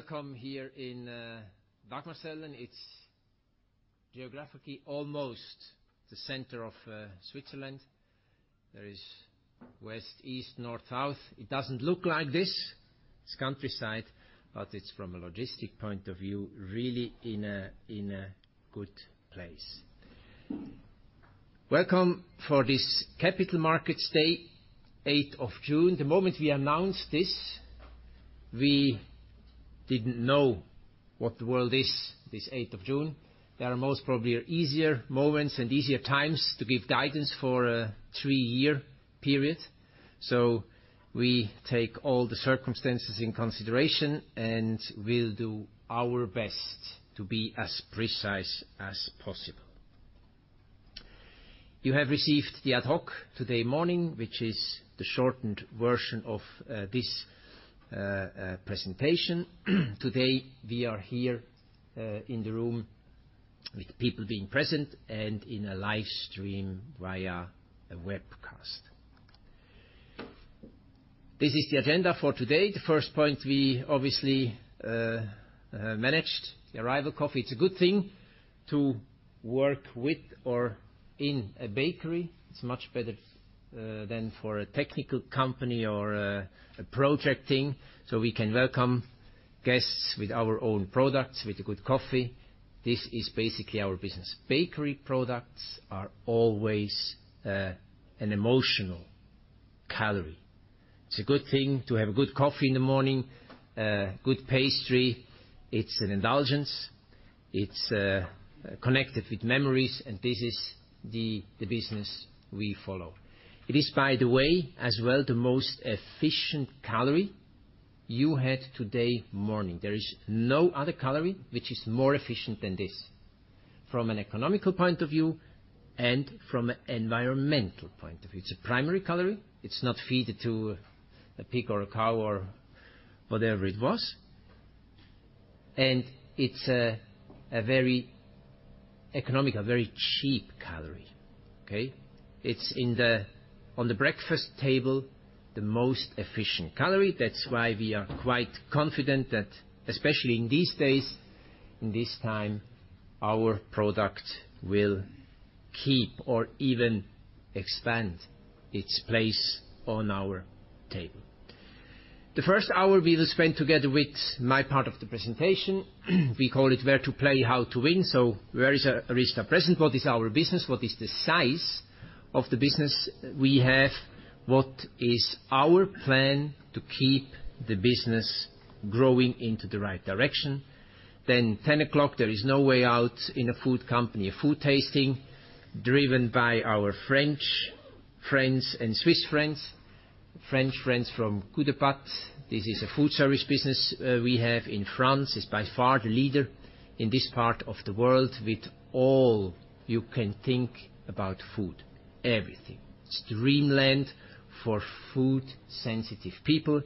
Welcome here in Wangen. It's geographically almost the center of Switzerland. There is west, east, north, south. It doesn't look like this. It's countryside, but it's from a logistic point of view, really in a good place. Welcome for this capital markets day, eighth of June. The moment we announced this, we didn't know what the world is this eighth of June. There are most probably easier moments and easier times to give guidance for a three-year period. We take all the circumstances into consideration, and we'll do our best to be as precise as possible. You have received the ad hoc today morning, which is the shortened version of this presentation. Today, we are here in the room with people being present and in a live stream via a webcast. This is the agenda for today. The first point we obviously managed the arrival coffee. It's a good thing to work with or in a bakery. It's much better than for a technical company or a project team, so we can welcome guests with our own products, with a good coffee. This is basically our business. Bakery products are always an emotional calorie. It's a good thing to have a good coffee in the morning, a good pastry. It's an indulgence. It's connected with memories, and this is the business we follow. It is, by the way, as well, the most efficient calorie you had today morning. There is no other calorie which is more efficient than this from an economical point of view and from an environmental point of view. It's a primary calorie. It's not feed to a pig or a cow or whatever it was. It's a very economical, very cheap calorie. Okay. It's on the breakfast table, the most efficient calorie. That's why we are quite confident that, especially in these days, in this time, our product will keep or even expand its place on our table. The first hour we will spend together with my part of the presentation. We call it Where to Play, How to Win. Where is ARYZTA present? What is our business? What is the size of the business we have? What is our plan to keep the business growing into the right direction? 10:00 A.M., there is no way out in a food company. A food tasting driven by our French friends and Swiss friends. French friends from Coup de pates. This is a food service business we have in France. It's by far the leader in this part of the world with all you can think about food, everything. It's dreamland for food-sensitive people.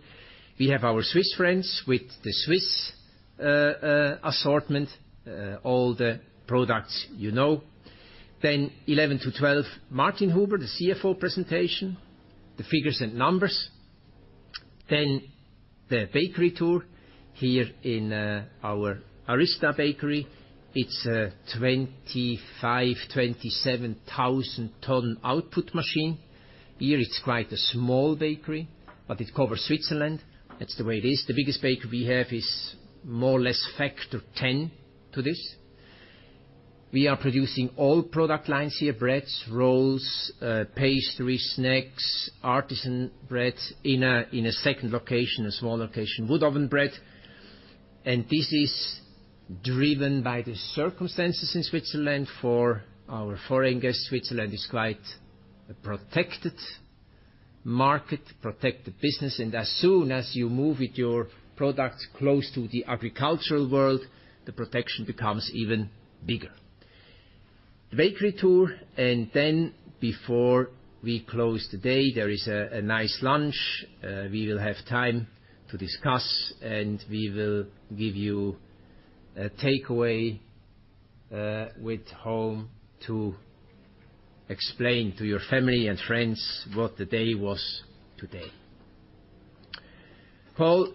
We have our Swiss friends with the Swiss assortment, all the products you know. Then 11-12, Martin Huber, the CFO presentation, the figures and numbers. Then the bakery tour here in our ARYZTA bakery. It's a 25,000-27,000 ton output machine. Here it's quite a small bakery, but it covers Switzerland. That's the way it is. The biggest bakery we have is more or less factor 10 to this. We are producing all product lines here, breads, rolls, pastries, snacks, artisan breads. In a second location, a small location, wood oven bread. This is driven by the circumstances in Switzerland. For our foreign guests, Switzerland is quite a protected market, protected business. As soon as you move with your products close to the agricultural world, the protection becomes even bigger. The bakery tour, and then before we close the day, there is a nice lunch. We will have time to discuss, and we will give you a takeaway to take home to explain to your family and friends what the day was today. Paul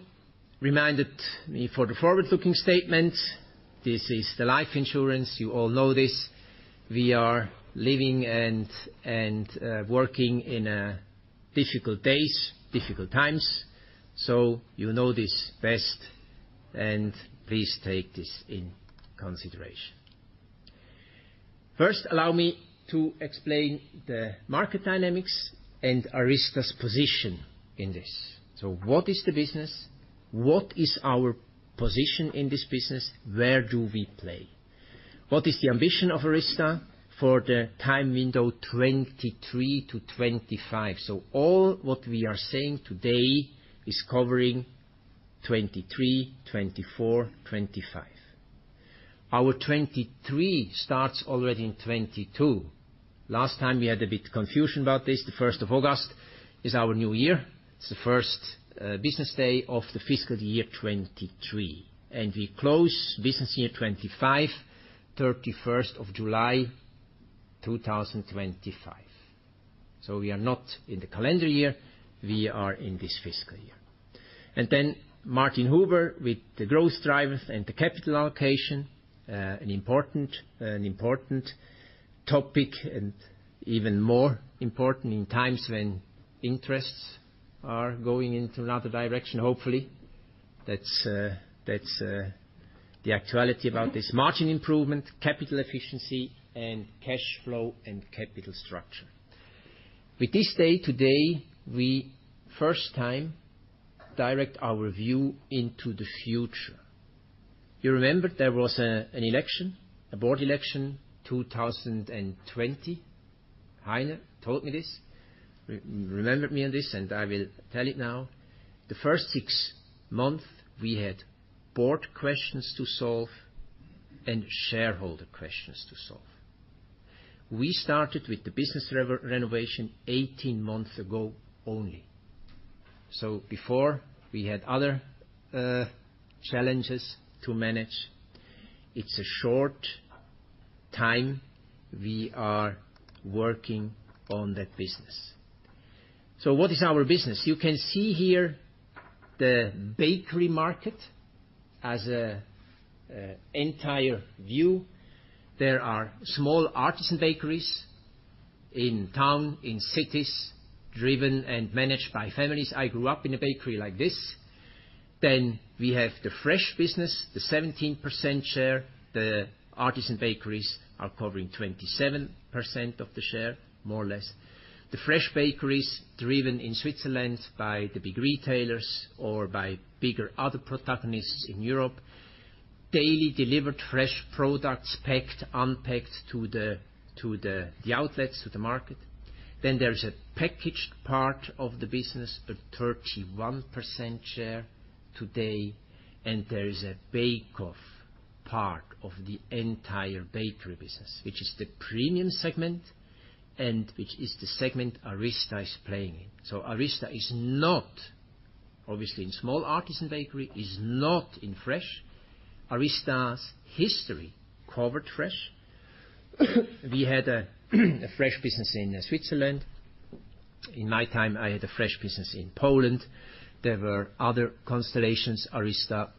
reminded me of the forward-looking statement. This is the life insurance. You all know this. We are living and working in difficult days, difficult times, so you know this best. Please take this into consideration. First, allow me to explain the market dynamics and ARYZTA's position in this. What is the business? What is our position in this business? Where do we play? What is the ambition of ARYZTA for the time window 2023-2025? All what we are saying today is covering 2023, 2024, 2025. Our 2023 starts already in 2022. Last time, we had a bit confusion about this. The first of August is our new year. It's the first business day of the fiscal year 2023. We close business year 2025, 31st of July 2025. We are not in the calendar year, we are in this fiscal year. Martin Huber with the growth drivers and the capital allocation, an important topic, and even more important in times when interests are going into another direction, hopefully. That's the actuality about this margin improvement, capital efficiency and cash flow and capital structure. With this day today, we first time direct our view into the future. You remember there was an election, a board election, 2020. Heiner told me this, reminded me of this, and I will tell it now. The first 6 months we had board questions to solve and shareholder questions to solve. We started with the business renovation 18 months ago only. Before, we had other challenges to manage. It's a short time we are working on that business. What is our business? You can see here the bakery market as an entire view. There are small artisan bakeries in town, in cities, driven and managed by families. I grew up in a bakery like this. We have the fresh business, the 17% share. The artisan bakeries are covering 27% of the share, more or less. The fresh bakeries driven in Switzerland by the big retailers or by bigger other protagonists in Europe. Daily delivered fresh products packed, unpacked to the outlets, to the market. There is a packaged part of the business, a 31% share today. There is a bake off part of the entire bakery business, which is the premium segment and which is the segment ARYZTA is playing in. ARYZTA is not obviously in small artisan bakery, is not in fresh. ARYZTA's history covered fresh. We had a fresh business in Switzerland. In my time, I had a fresh business in Poland. There were other constellations. ARYZTA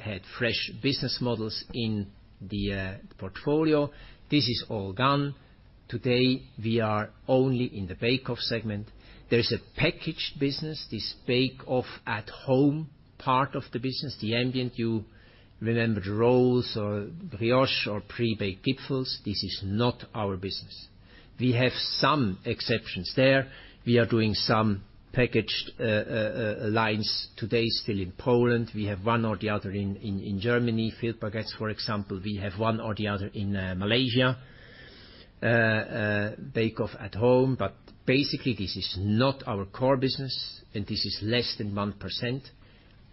had fresh business models in the portfolio. This is all gone. Today, we are only in the bake off segment. There is a packaged business. This bake off at home part of the business. The ambient, you remember the rolls or brioche or pre-baked Gipfeli. This is not our business. We have some exceptions there. We are doing some packaged lines today still in Poland. We have one or the other in Germany, filled baguettes for example. We have one or the other in Malaysia, bake off at home. Basically this is not our core business, and this is less than 1%.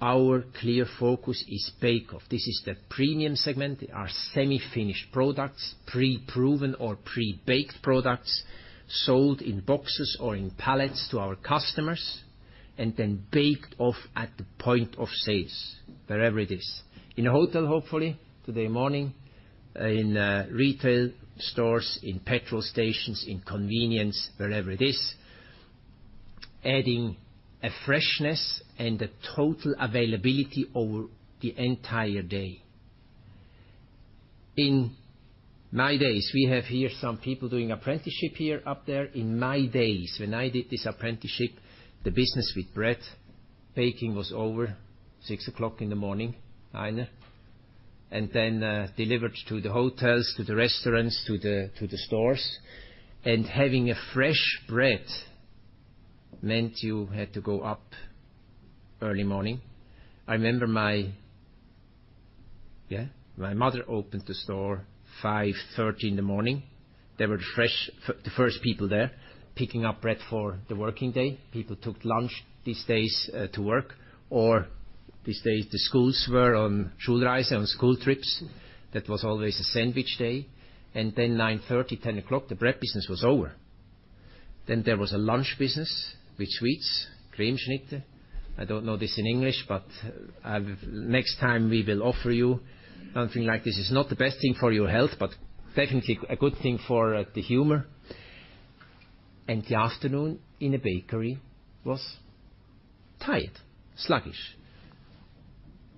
Our clear focus is bake off. This is the premium segment. They are semi-finished products. Pre-proven or pre-baked products sold in boxes or in pallets to our customers, and then baked off at the point of sales, wherever it is. In a hotel, hopefully, today morning, in retail stores, in petrol stations, in convenience, wherever it is. Adding a freshness and a total availability over the entire day. In my days, we have here some people doing apprenticeship here up there. In my days, when I did this apprenticeship, the business with bread, baking was over 6:00 A.M., Heiner. Then, delivered to the hotels, to the restaurants, to the stores. Having a fresh bread meant you had to go up early morning. I remember my mother opened the store 5:30 A.M. There were fresh, the first people there picking up bread for the working day. People took lunch these days to work. Or these days the schools were on Schulreisen, on school trips. That was always a sandwich day. 9:30, 10:00, the bread business was over. There was a lunch business with sweets, Cremeschnitte. I don't know this in English, but next time we will offer you something like this. It's not the best thing for your health, but definitely a good thing for the humor. The afternoon in a bakery was tight, sluggish.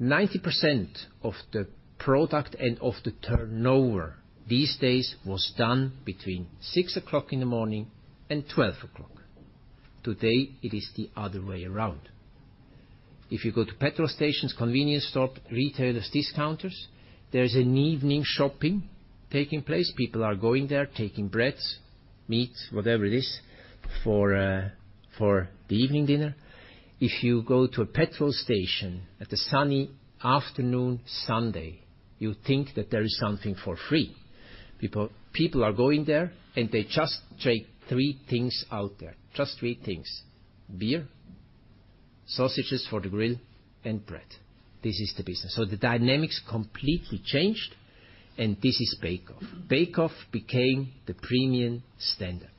90% of the product and of the turnover these days was done between 6:00 A.M. and 12:00. Today, it is the other way around. If you go to gas stations, convenience store, retailers, discounters, there is an evening shopping taking place. People are going there, taking breads, meats, whatever it is, for the evening dinner. If you go to a gas station at a sunny afternoon, Sunday, you think that there is something for free. People are going there, and they just take three things out there. Just three things. Beer, sausages for the grill, and bread. This is the business. The dynamics completely changed, and this is bake off. Bake off became the premium standard.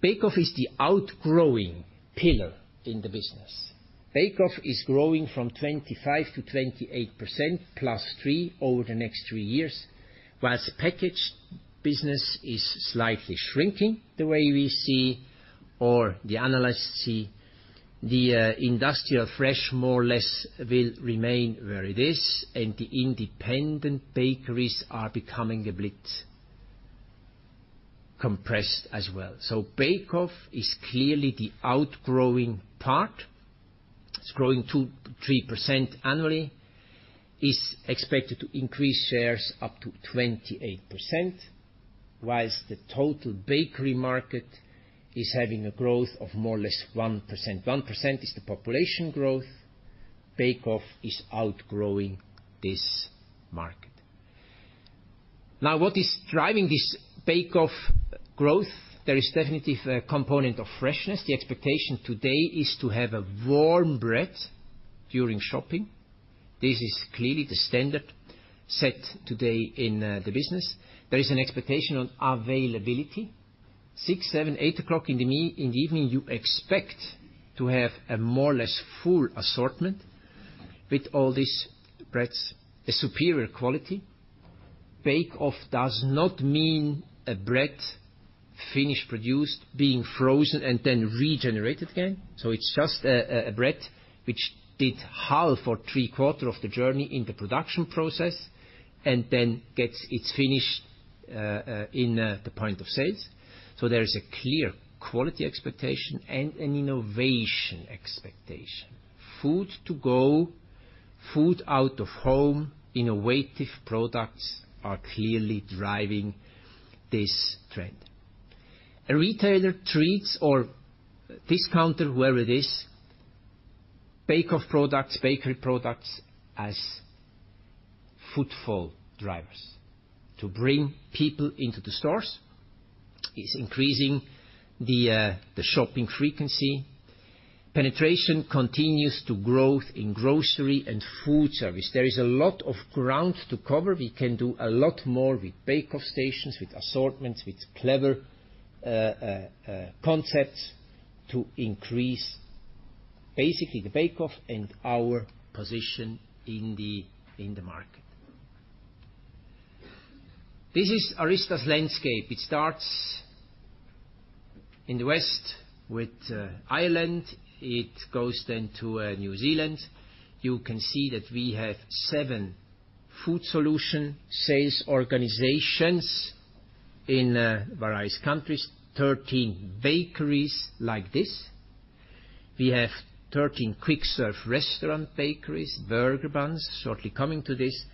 Bake off is the outgrowing pillar in the business. Bake off is growing from 25% to 28% +3 over the next three years, while the packaged business is slightly shrinking, the way we see or the analysts see. The industrial fresh more or less will remain where it is, and the independent bakeries are becoming a bit compressed as well. Bake off is clearly the outgrowing part. It's growing 2%-3% annually, is expected to increase shares up to 28%, while the total bakery market is having a growth of more or less 1%. 1% is the population growth. Bake off is outgrowing this market. Now, what is driving this bake off growth? There is definitely a component of freshness. The expectation today is to have a warm bread during shopping. This is clearly the standard set today in the business. There is an expectation on availability. 6, 7, 8 o'clock in the evening, you expect to have a more or less full assortment with all these breads, a superior quality. Bake off does not mean a bread finish produced being frozen and then regenerated again. It's just a bread which did half or three-quarter of the journey in the production process and then gets its finish in the point of sale. There is a clear quality expectation and an innovation expectation. Food to go, food out of home, innovative products are clearly driving this trend. A retailer or discounter, wherever it is, bake off products, bakery products as footfall drivers. To bring people into the stores is increasing the shopping frequency. Penetration continues to growth in grocery and food service. There is a lot of ground to cover. We can do a lot more with bake off stations, with assortments, with clever concepts to increase basically the bake off and our position in the market. This is ARYZTA's landscape. It starts in the west with Ireland. It goes then to New Zealand. You can see that we have 7 food solution sales organizations in various countries, 13 bakeries like this. We have 13 quick serve restaurant bakeries, burger buns, shortly coming to this.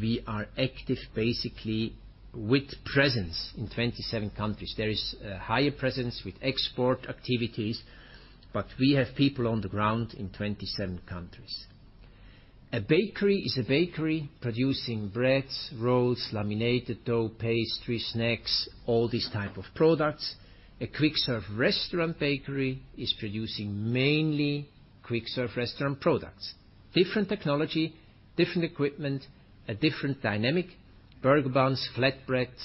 We are active basically with presence in 27 countries. There is a higher presence with export activities, but we have people on the ground in 27 countries. A bakery is a bakery producing breads, rolls, laminated dough, pastry, snacks, all these type of products. A quick serve restaurant bakery is producing mainly quick serve restaurant products. Different technology, different equipment, a different dynamic. Burger buns, flatbreads,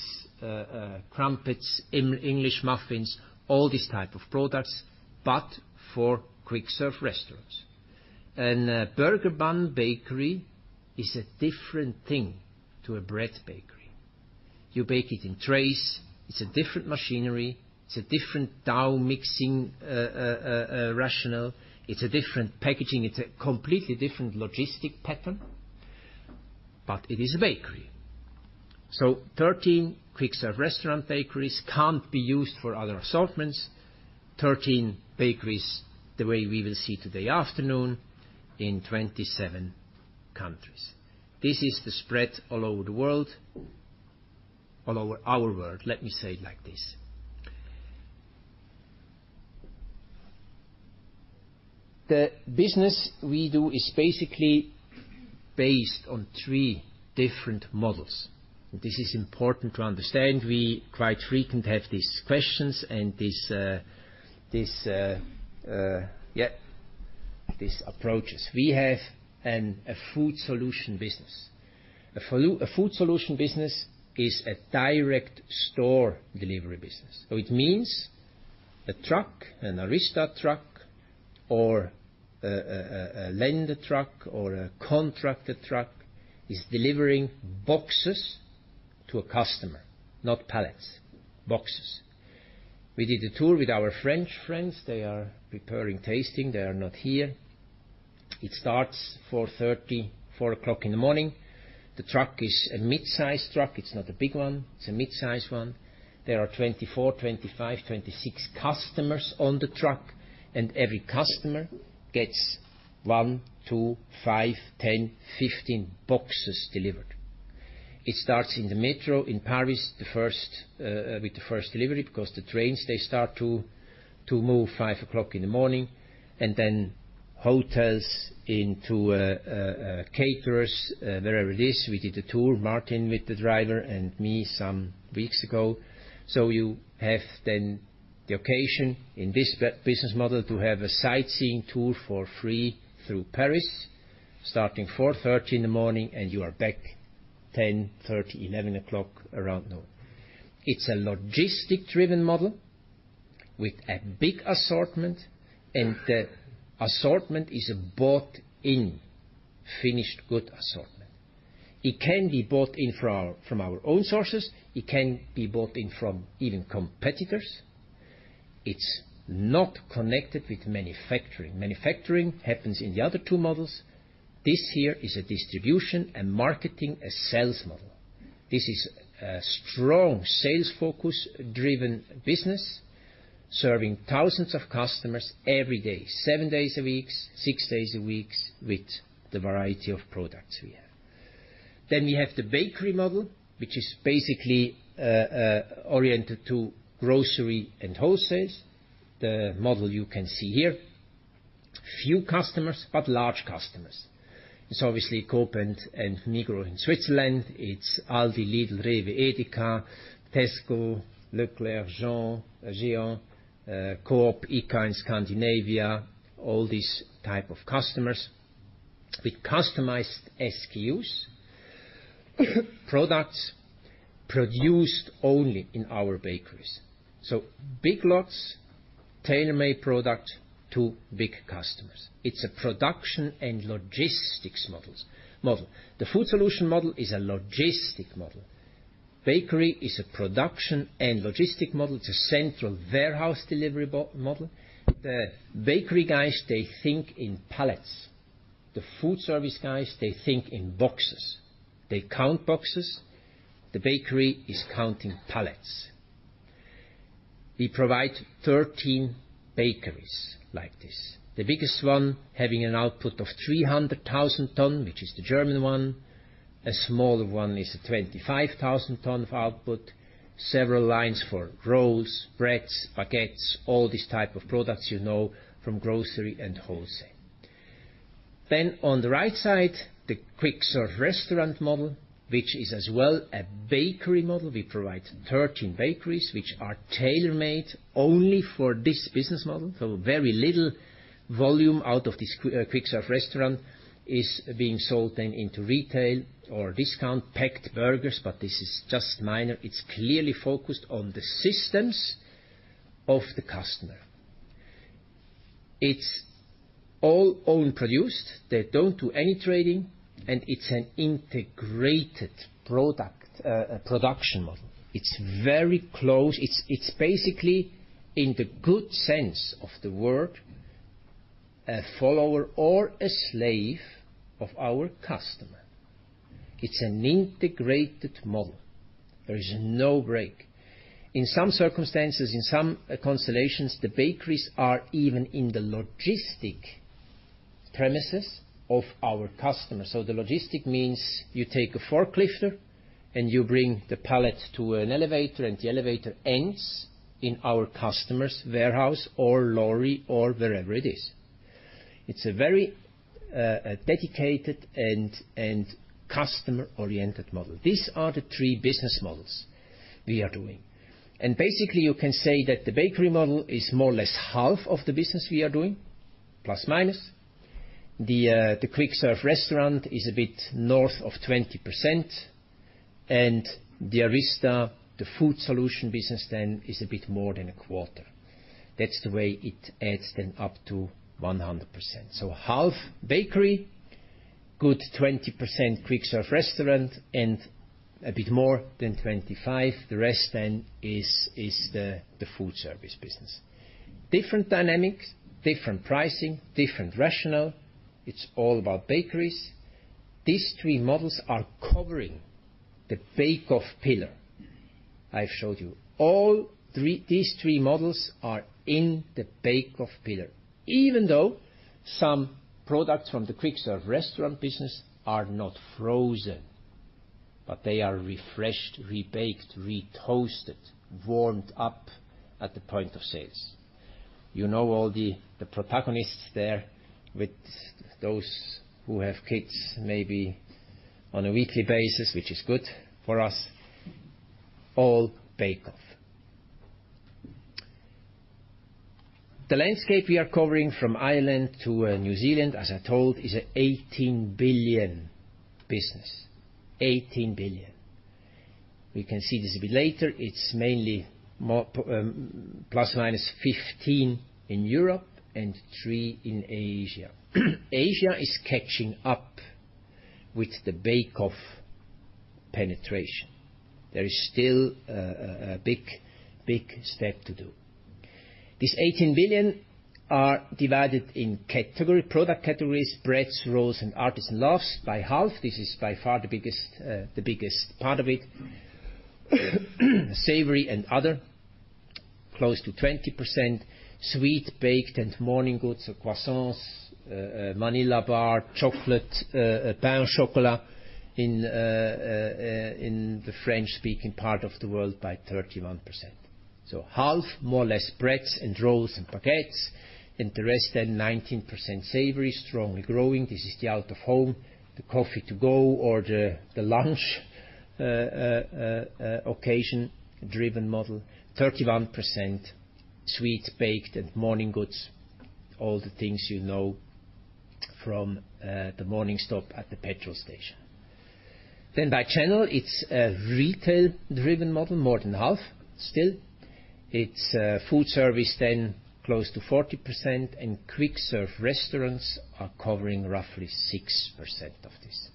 crumpets, English muffins, all these type of products, but for quick serve restaurants. A burger bun bakery is a different thing to a bread bakery. You bake it in trays. It's a different machinery. It's a different dough mixing, rationale. It's a different packaging. It's a completely different logistic pattern, but it is a bakery. Thirteen quick serve restaurant bakeries can't be used for other assortments. Thirteen bakeries, the way we will see today afternoon, in 27 countries. This is the spread all over the world. All over our world, let me say it like this. The business we do is basically based on three different models. This is important to understand. We frequently have these questions and these approaches. We have a food solution business. A food solution business is a direct store delivery business. It means a truck, an ARYZTA truck, or a Lidl truck or a contracted truck is delivering boxes to a customer, not pallets, boxes. We did a tour with our French friends. They are preparing tasting. They are not here. It starts 4:30, 4:00 A.M. The truck is a mid-sized truck. It's not a big one. It's a mid-sized one. There are 24, 25, 26 customers on the truck, and every customer gets one, two, five, 10, 15 boxes delivered. It starts in the Metro in Paris, the first with the first delivery, because the trains they start to move 5:00 A.M., and then to hotels, to caterers, wherever it is. We did a tour, Martin, with the driver and me some weeks ago. You have then the occasion in this business model to have a sightseeing tour for free through Paris, starting 4:30 A.M., and you are back 10:30 A.M., 11:00 A.M. around noon. It's a logistics-driven model with a big assortment, and the assortment is a bought-in finished good assortment. It can be bought in from our own sources. It can be bought in from even competitors. It's not connected with manufacturing. Manufacturing happens in the other two models. This here is a distribution and marketing and sales model. This is a strong sales focus-driven business, serving thousands of customers every day, seven days a week, six days a week, with the variety of products we have. We have the bakery model, which is basically oriented to grocery and wholesale. The model you can see here. Few customers, but large customers. It's obviously Coop and Migros in Switzerland. It's Aldi, Lidl, Rewe, Edeka, Tesco, E.Leclerc, Géant, Coop, ICA in Scandinavia, all these type of customers with customized SKUs. Products produced only in our bakeries. Big lots, tailor-made product to big customers. It's a production and logistics model. The food solution model is a logistic model. Bakery is a production and logistic model. It's a central warehouse delivery model. The bakery guys, they think in pallets. The food service guys, they think in boxes. They count boxes. The bakery is counting pallets. We provide 13 bakeries like this. The biggest one having an output of 300,000 tons, which is the German one. A smaller one is a 25,000 ton of output. Several lines for rolls, breads, baguettes, all these type of products you know from grocery and wholesale. On the right side, the quick service restaurant model, which is as well a bakery model. We provide 13 bakeries which are tailor-made only for this business model. Very little volume out of this quick service restaurant is being sold then into retail or discount packed burgers, but this is just minor. It's clearly focused on the systems of the customer. It's all own produced. They don't do any trading, and it's an integrated product production model. It's very close. It's basically, in the good sense of the word, a follower or a slave of our customer. It's an integrated model. There is no break. In some circumstances, in some constellations, the bakeries are even in the logistics premises of our customers. So the logistics means you take a forklift and you bring the pallet to an elevator, and the elevator ends in our customer's warehouse or truck or wherever it is. It's a very dedicated and customer-oriented model. These are the three business models we are doing. Basically, you can say that the bakery model is more or less half of the business we are doing, plus minus. The quick service restaurant is a bit north of 20%, and the ARYZTA food solution business then is a bit more than a quarter. That's the way it adds up to 100%. Half bakery, 20% quick serve restaurant, and a bit more than 25%, the rest is the food service business. Different dynamics, different pricing, different rationale. It's all about bakeries. These three models are covering the bake off pillar I showed you. All three models are in the bake off pillar, even though some products from the quick serve restaurant business are not frozen, but they are refreshed, re-baked, re-toasted, warmed up at the point of sales. You know all the protagonists there with those who have kids, maybe on a weekly basis, which is good for us. All bake off. The landscape we are covering from Ireland to New Zealand, as I told, is an 18 billion business. 18 billion. We can see this a bit later. It's mainly more, ±15% in Europe and 3% in Asia. Asia is catching up with the bake off penetration. There is still a big step to do. This 18 billion are divided in category, product categories: breads, rolls, and artisan loaves by half. This is by far the biggest part of it. Savory and other, close to 20%. Sweet, baked, and morning goods, so croissants, vanilla bar, chocolate, pain au chocolat in the French-speaking part of the world by 31%. Half more or less breads and rolls and baguettes, and the rest then 19% savory, strongly growing. This is the out of home, the coffee to go or the lunch, occasion-driven model. 31% sweet, baked, and morning goods. All the things you know from the morning stop at the petrol station. By channel, it's a retail-driven model, more than half still. It's food service then close to 40%, and quick-serve restaurants are covering roughly 6% of this.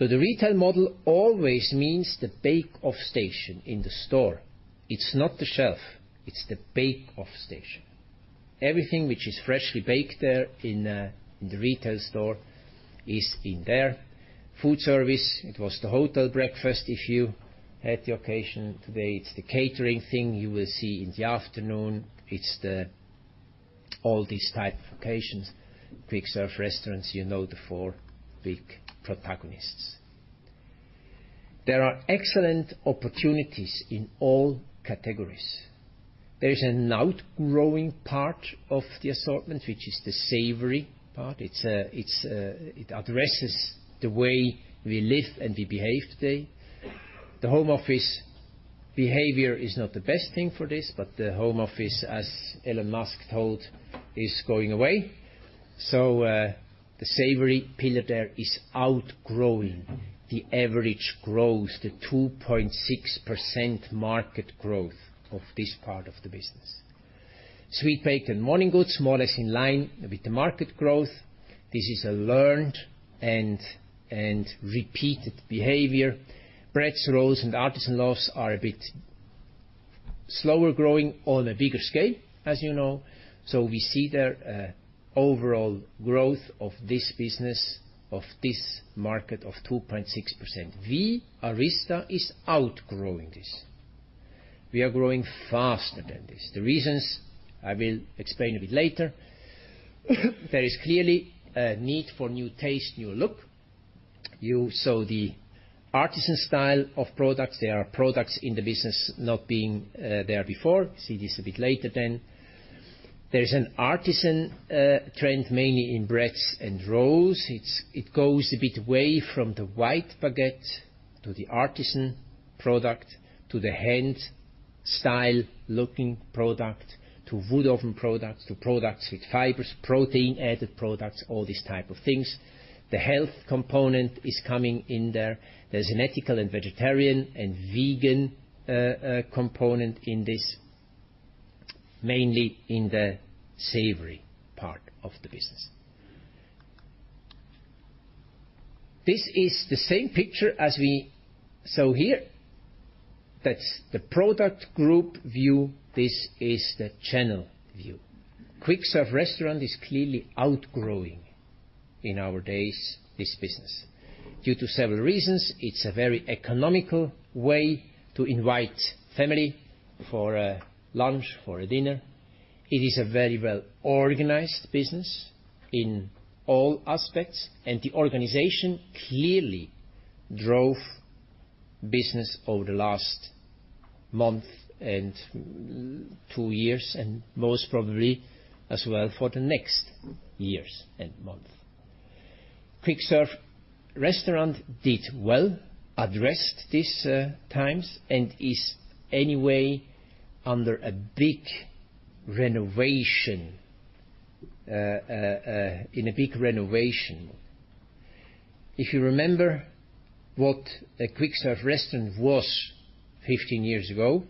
The retail model always means the bake-off station in the store. It's not the shelf, it's the bake-off station. Everything which is freshly baked there in the retail store is in there. Food service, it was the hotel breakfast issue at the occasion. Today, it's the catering thing you will see in the afternoon. It's all these type of occasions. Quick-serve restaurants, you know the four big protagonists. There are excellent opportunities in all categories. There is an outgrowing part of the assortment, which is the savory part. It addresses the way we live and we behave today. The home office behavior is not the best thing for this, but the home office, as Elon Musk told, is going away. The savory pillar there is outgrowing the average growth, the 2.6% market growth of this part of the business. Sweet baked and morning goods, more or less in line with the market growth. This is a learned and repeated behavior. Breads, rolls, and artisan loaves are a bit slower growing on a bigger scale, as you know. We see their overall growth of this business, of this market of 2.6%. We, ARYZTA, is outgrowing this. We are growing faster than this. The reasons I will explain a bit later. There is clearly a need for new taste, new look. You saw the artisan style of products. There are products in the business not being there before. See this a bit later then. There's an artisan trend mainly in breads and rolls. It goes a bit away from the white baguette to the artisan product, to the hand style looking product, to wood-oven products, to products with fibers, protein-added products, all these type of things. The health component is coming in there. There's an ethical and vegetarian and vegan component in this, mainly in the savory part of the business. This is the same picture as we saw here. That's the product group view. This is the channel view. Quick-service restaurant is clearly outgrowing nowadays this business. Due to several reasons, it's a very economical way to invite family for a lunch, for a dinner. It is a very well-organized business in all aspects, and the organization clearly drove business over the last month and two years, and most probably as well for the next years and month. Quick-serve restaurant did well, addressed these times, and is anyway under a big renovation. If you remember what a quick-serve restaurant was 15 years ago,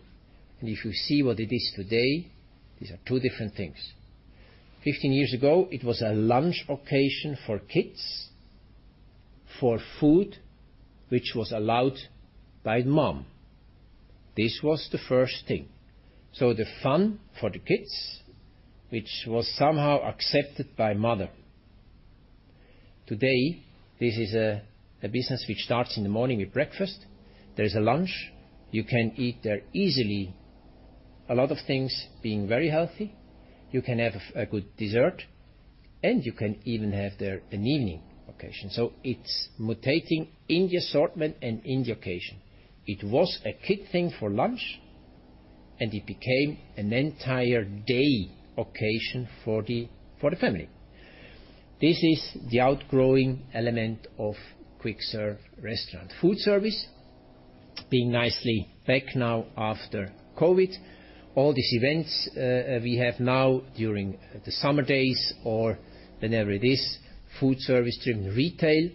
and if you see what it is today, these are two different things. 15 years ago, it was a lunch occasion for kids, for food which was allowed by mom. This was the first thing. The fun for the kids, which was somehow accepted by mother. Today, this is a business which starts in the morning with breakfast. There's a lunch. You can eat there easily. A lot of things being very healthy. You can have a good dessert, and you can even have there an evening occasion. It's mutating in the assortment and in the occasion. It was a kid thing for lunch, and it became an entire day occasion for the family. This is the outgrowing element of quick-serve restaurant. Food service being nicely back now after COVID. All these events, we have now during the summer days or whenever it is, food service during retail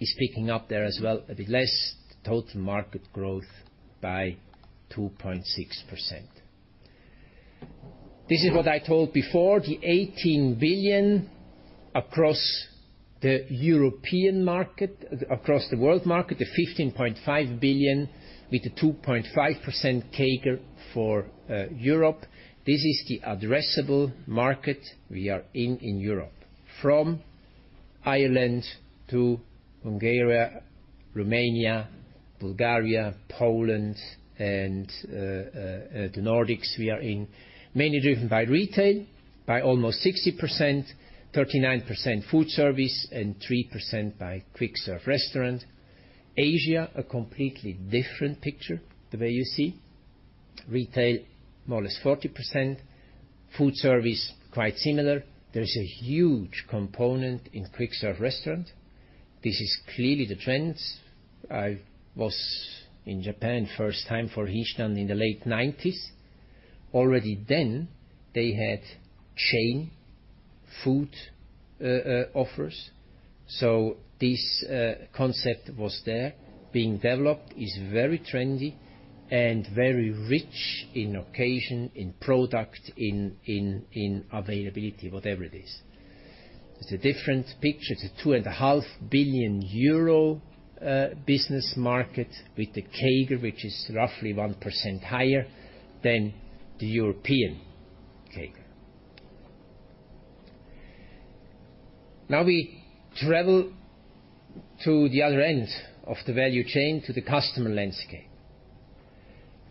is picking up there as well. A bit less total market growth by 2.6%. This is what I told before, the 18 billion across the world market, the 15.5 billion with the 2.5% CAGR for Europe. This is the addressable market we are in in Europe, from Ireland to Hungary, Romania, Bulgaria, Poland, and the Nordics. We are mainly driven by retail by almost 60%, 39% food service, and 3% by quick-serve restaurant. Asia, a completely different picture the way you see. Retail, more or less 40%. Food service, quite similar. There is a huge component in quick-serve restaurant. This is clearly the trends. I was in Japan first time for Hiestand in the late 1990s. Already then, they had chain food offers. This concept was there being developed, is very trendy and very rich in occasion, in product, in availability, whatever it is. It's a different picture. It's a 2.5 billion euro business market with the CAGR, which is roughly 1% higher than the European CAGR. Now we travel to the other end of the value chain, to the customer landscape.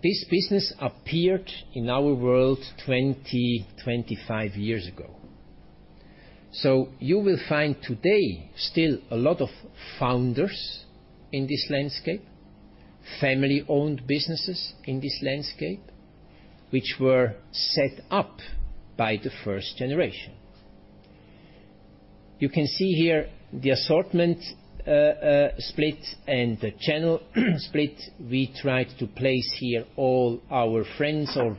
This business appeared in our world 20-25 years ago. You will find today still a lot of founders in this landscape, family-owned businesses in this landscape, which were set up by the first generation. You can see here the assortment split and the channel split. We tried to place here all our friends or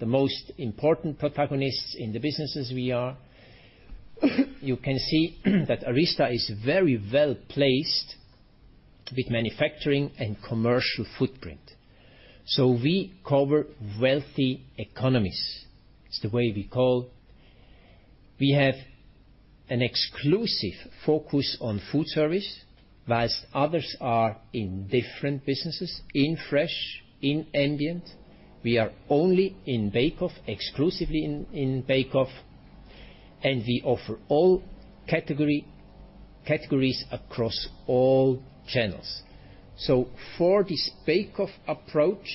the most important protagonists in the businesses we are. You can see that ARYZTA is very well-placed with manufacturing and commercial footprint. We cover wealthy economies. It's the way we call. We have an exclusive focus on food service, while others are in different businesses, in fresh, in ambient. We are only in bake off, exclusively in bake off, and we offer all categories across all channels. For this bake off approach,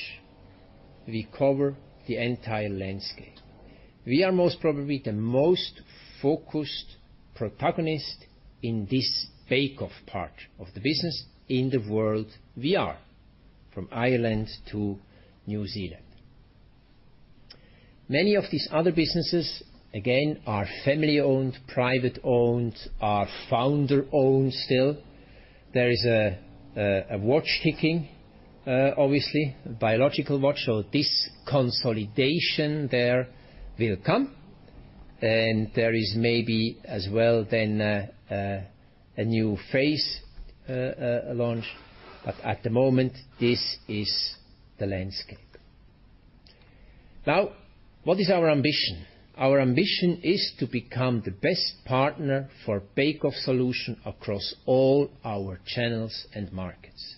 we cover the entire landscape. We are most probably the most focused protagonist in this bake off part of the business in the world we are, from Ireland to New Zealand. Many of these other businesses, again, are family-owned, private-owned, are founder-owned still. There is a watch ticking, obviously, a biological watch. This consolidation there will come. There is maybe as well then a new phase launch. At the moment, this is the landscape. Now, what is our ambition? Our ambition is to become the best partner for bake off solution across all our channels and markets.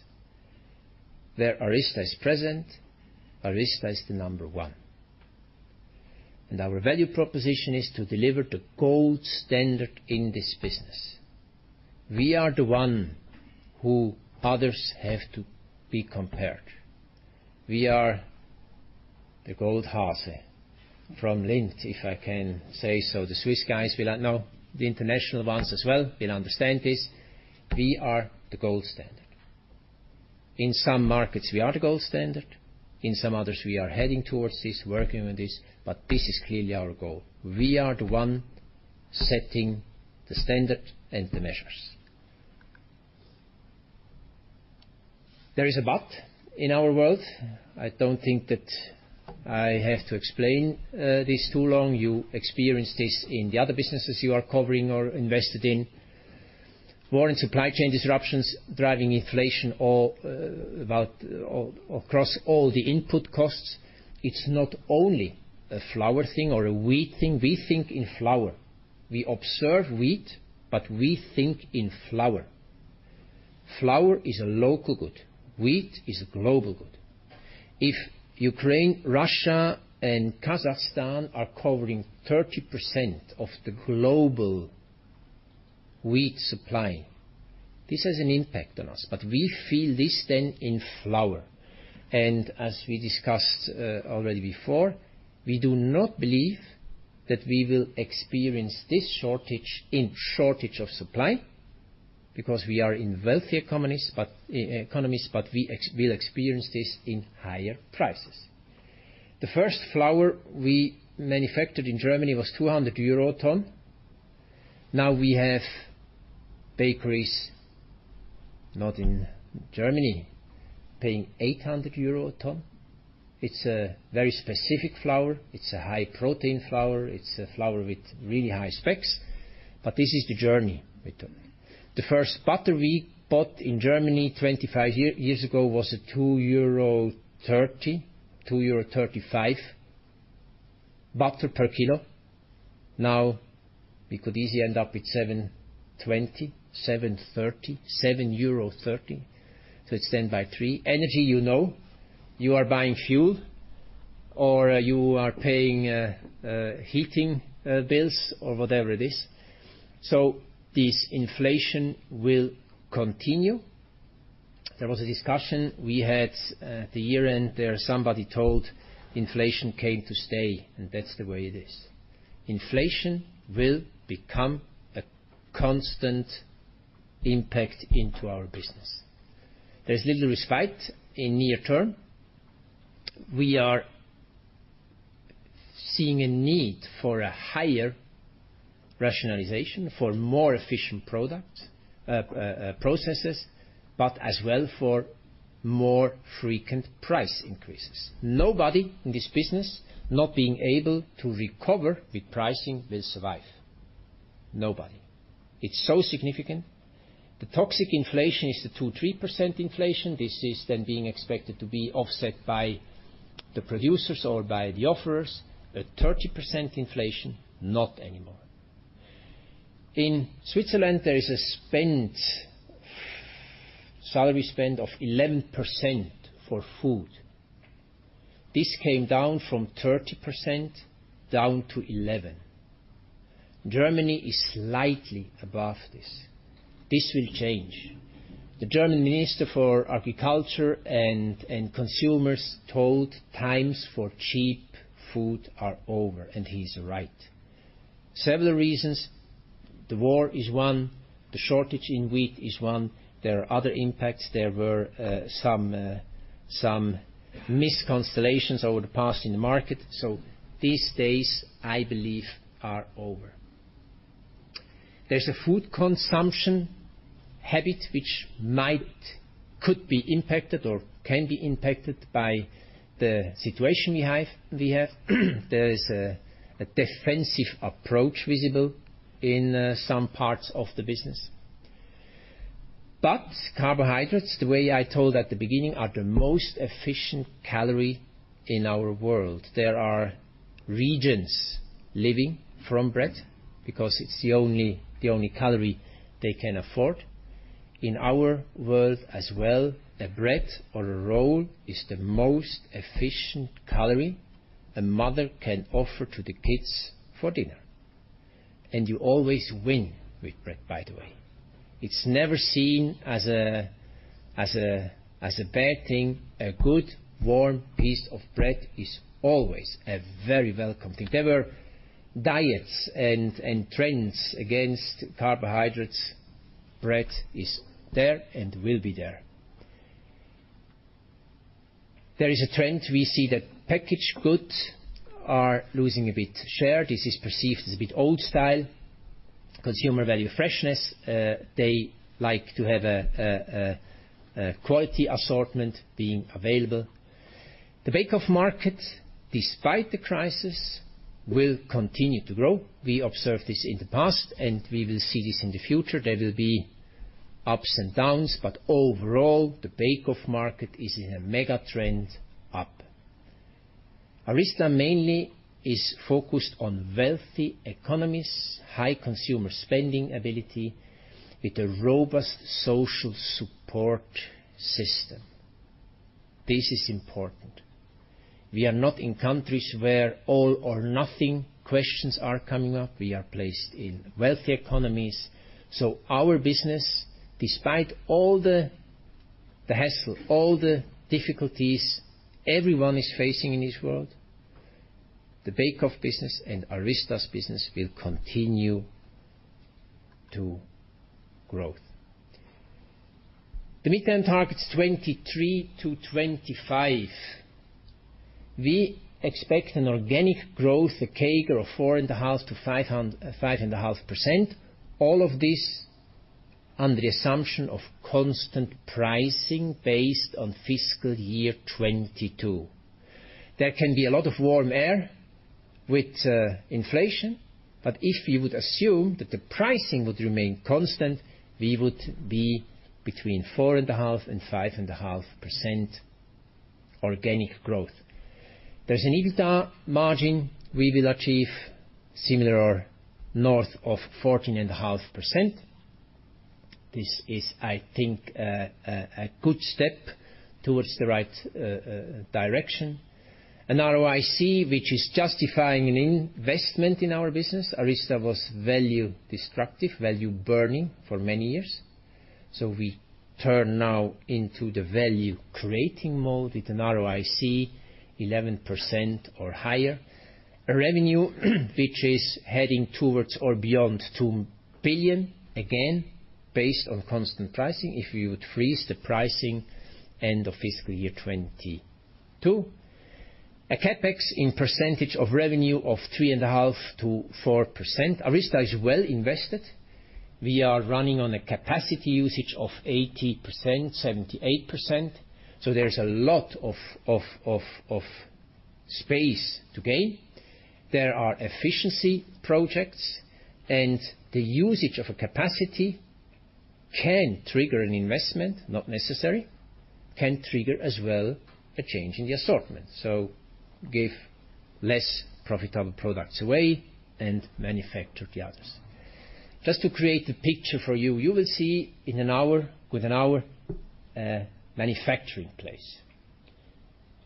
Where ARYZTA is present, ARYZTA is the number one. Our value proposition is to deliver the gold standard in this business. We are the one who others have to be compared. We are the Goldhase from Lindt & Sprüngli, if I can say so. The international ones as well will understand this. We are the gold standard. In some markets, we are the gold standard. In some others, we are heading towards this, working on this, but this is clearly our goal. We are the one setting the standard and the measures. There is a but in our world. I don't think that I have to explain this too long. You experience this in the other businesses you are covering or invested in. War and supply chain disruptions, driving inflation all about across all the input costs. It's not only a flour thing or a wheat thing. We think in flour. We observe wheat, but we think in flour. Flour is a local good. Wheat is a global good. If Ukraine, Russia, and Kazakhstan are covering 30% of the global wheat supply, this has an impact on us, but we feel this then in flour. As we discussed already before, we do not believe that we will experience this shortage of supply because we are in wealthy economies, but we'll experience this in higher prices. The first flour we manufactured in Germany was 200 euro a ton. Now we have bakeries, not in Germany, paying 800 euro a ton. It's a very specific flour. It's a high-protein flour. It's a flour with really high specs, but this is the journey we took. The first butter we bought in Germany 25 years ago was a 2.30 euro, 2.35 euro butter per kilo. Now we could easily end up with 7.20 euro, 7.30 euro, 7.30. It's 10 by three. Energy, you know. You are buying fuel, or you are paying heating bills or whatever it is. This inflation will continue. There was a discussion we had at the year-end there. Somebody told inflation came to stay, and that's the way it is. Inflation will become a constant impact into our business. There's little respite in near term. We are seeing a need for a higher rationalization for more efficient products, processes, but as well for more frequent price increases. Nobody in this business not being able to recover with pricing will survive. Nobody. It's so significant. The toxic inflation is the 2%-3% inflation. This is then being expected to be offset by the producers or by the offerors. At 30% inflation, not anymore. In Switzerland, there is a spend, salary spend of 11% for food. This came down from 30% down to 11%. Germany is slightly above this. This will change. The German Minister for Agriculture and Consumers told that the times for cheap food are over, and he's right. Several reasons, the war is one, the shortage in wheat is one. There are other impacts. There were some miscalculations over the past in the market. These days, I believe, are over. There's a food consumption habit which could be impacted or can be impacted by the situation we have. There is a defensive approach visible in some parts of the business. Carbohydrates, the way I told at the beginning, are the most efficient calorie in our world. There are regions living from bread because it's the only calorie they can afford. In our world as well, a bread or a roll is the most efficient calorie a mother can offer to the kids for dinner. You always win with bread, by the way. It's never seen as a bad thing. A good, warm piece of bread is always a very welcome thing. There were diets and trends against carbohydrates. Bread is there and will be there. There is a trend we see that packaged goods are losing a bit share. This is perceived as a bit old style. Consumers value freshness, they like to have a quality assortment being available. The bake off market, despite the crisis, will continue to grow. We observed this in the past, and we will see this in the future. There will be ups and downs, but overall, the bake off market is in a mega trend up. ARYZTA mainly is focused on wealthy economies, high consumer spending ability with a robust social support system. This is important. We are not in countries where all or nothing questions are coming up. We are placed in wealthy economies. Our business, despite all the hassle, all the difficulties everyone is facing in this world, the bake off business and ARYZTA's business will continue to growth. The mid-term targets 2023-2025. We expect an organic growth, a CAGR of 4.5%-5.5%. All of this under the assumption of constant pricing based on fiscal year 2022. There can be a lot of warm air with inflation, but if we would assume that the pricing would remain constant, we would be between 4.5% and 5.5% organic growth. There's an EBITDA margin we will achieve similar or north of 14.5%. This is, I think, a good step towards the right direction. An ROIC which is justifying an investment in our business. ARYZTA was value destructive, value burning for many years. We turn now into the value creating mode with an ROIC 11% or higher. A revenue which is heading towards or beyond 2 billion, again, based on constant pricing, if you would freeze the pricing end of fiscal year 2022. A CapEx in percentage of revenue of 3.5%-4%. ARYZTA is well invested. We are running on a capacity usage of 80%, 78%. There's a lot of space to gain. There are efficiency projects, and the usage of a capacity can trigger an investment, not necessary, can trigger as well a change in the assortment. Give less profitable products away and manufacture the others. Just to create a picture for you will see in an hour a manufacturing place.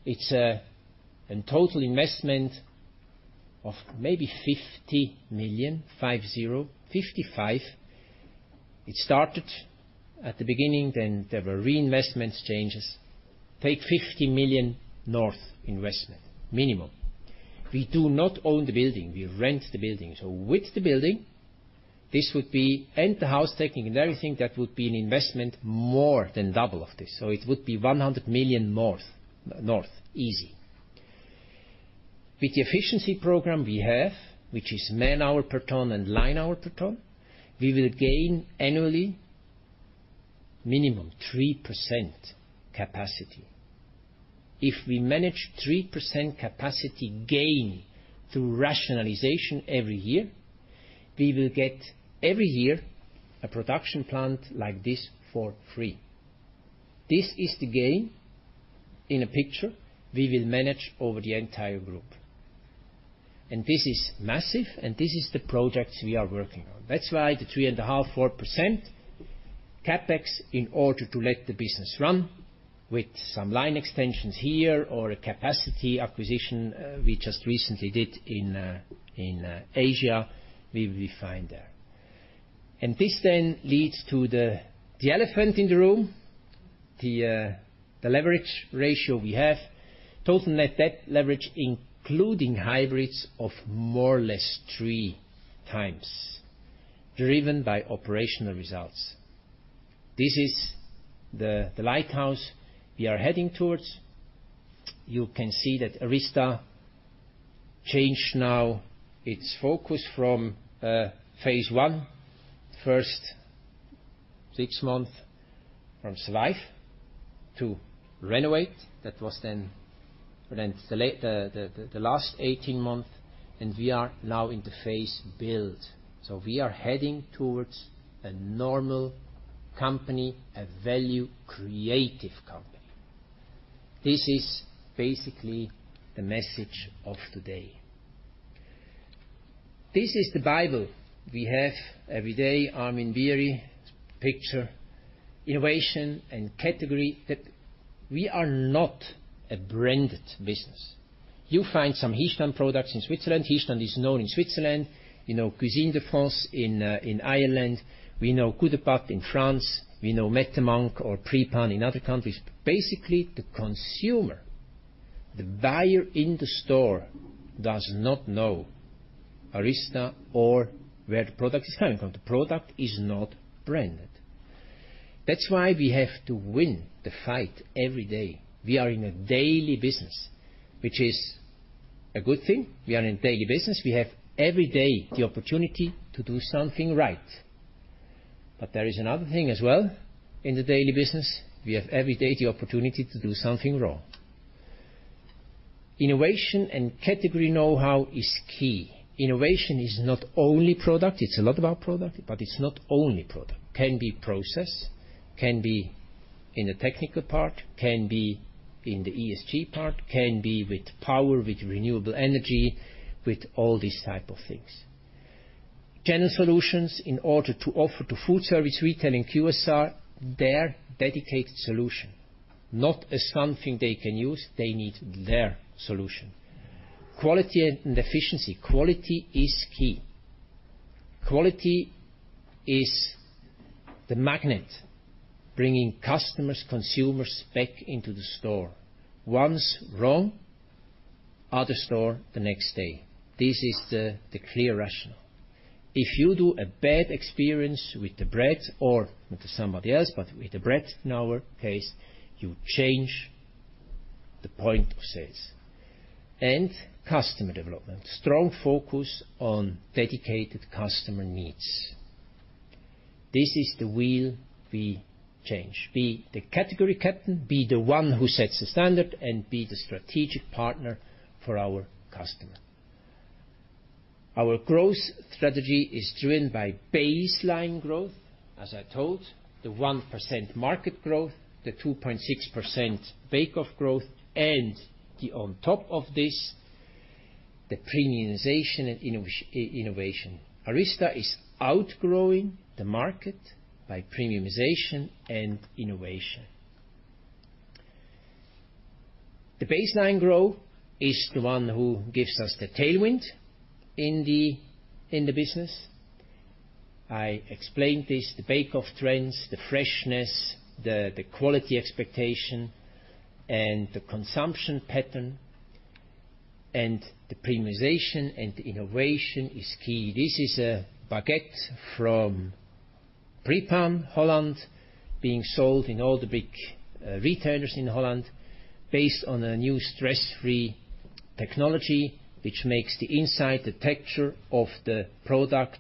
It's in total investment of maybe 50 million, 50 million, 55 million. It started at the beginning, then there were reinvestments, changes. Take 50 million net investment, minimum. We do not own the building, we rent the building. With the building, this would be in-house taking and everything that would be an investment more than double of this. It would be 100 million net easy. With the efficiency program we have, which is man-hour per ton and line hour per ton, we will gain annually minimum 3% capacity. If we manage 3% capacity gain through rationalization every year, we will get every year a production plant like this for free. This is the gain in a picture we will manage over the entire group. This is massive, and this is the projects we are working on. That's why the 3.5%-4% CapEx in order to let the business run with some line extensions here or a capacity acquisition, we just recently did in Asia, we will be fine there. This then leads to the elephant in the room, the leverage ratio we have. Total net debt leverage, including hybrids of more or less 3x, driven by operational results. This is the lighthouse we are heading towards. You can see that ARYZTA changed now its focus from phase one, first six months from survive to renovate. That was then the last eighteen months, and we are now in the phase build. We are heading towards a normal company, a value creative company. This is basically the message of today. This is the Bible we have every day, Armin Bieri picture, innovation and category that we are not a branded business. You find some Hiestand products in Switzerland. Hiestand is known in Switzerland. You know Cuisine de France in Ireland. We know Coup de Pates in France. We know Mette Munk or Pré Pain in other countries. Basically, the consumer, the buyer in the store does not know ARYZTA or where the product is coming from. The product is not branded. That's why we have to win the fight every day. We are in a daily business, which is a good thing. We are in daily business. We have every day the opportunity to do something right. There is another thing as well in the daily business. We have every day the opportunity to do something wrong. Innovation and category know-how is key. Innovation is not only product. It's a lot about product, but it's not only product. Can be process, can be in the technical part, can be in the ESG part, can be with power, with renewable energy, with all these type of things. Channel solutions in order to offer to food service, retailing, QSR, their dedicated solution. Not as something they can use, they need their solution. Quality and efficiency. Quality is key. Quality is the magnet bringing customers, consumers back into the store. One's wrong, other store the next day. This is the clear rationale. If you do a bad experience with the bread or with somebody else, but with the bread in our case, you change the point of sales. Customer development. Strong focus on dedicated customer needs. This is the wheel we change. Be the category captain, be the one who sets the standard, and be the strategic partner for our customer. Our growth strategy is driven by baseline growth, as I told, the 1% market growth, the 2.6% bake off growth, and, on top of this, the premiumization and innovation. ARYZTA is outgrowing the market by premiumization and innovation. The baseline growth is the one who gives us the tailwind in the business. I explained this, the bake off trends, the freshness, the quality expectation, and the consumption pattern, and the premiumization and innovation is key. This is a baguette from Pré Pain, Holland, being sold in all the big retailers in Holland based on a new stress-free technology, which makes the inside, the texture of the product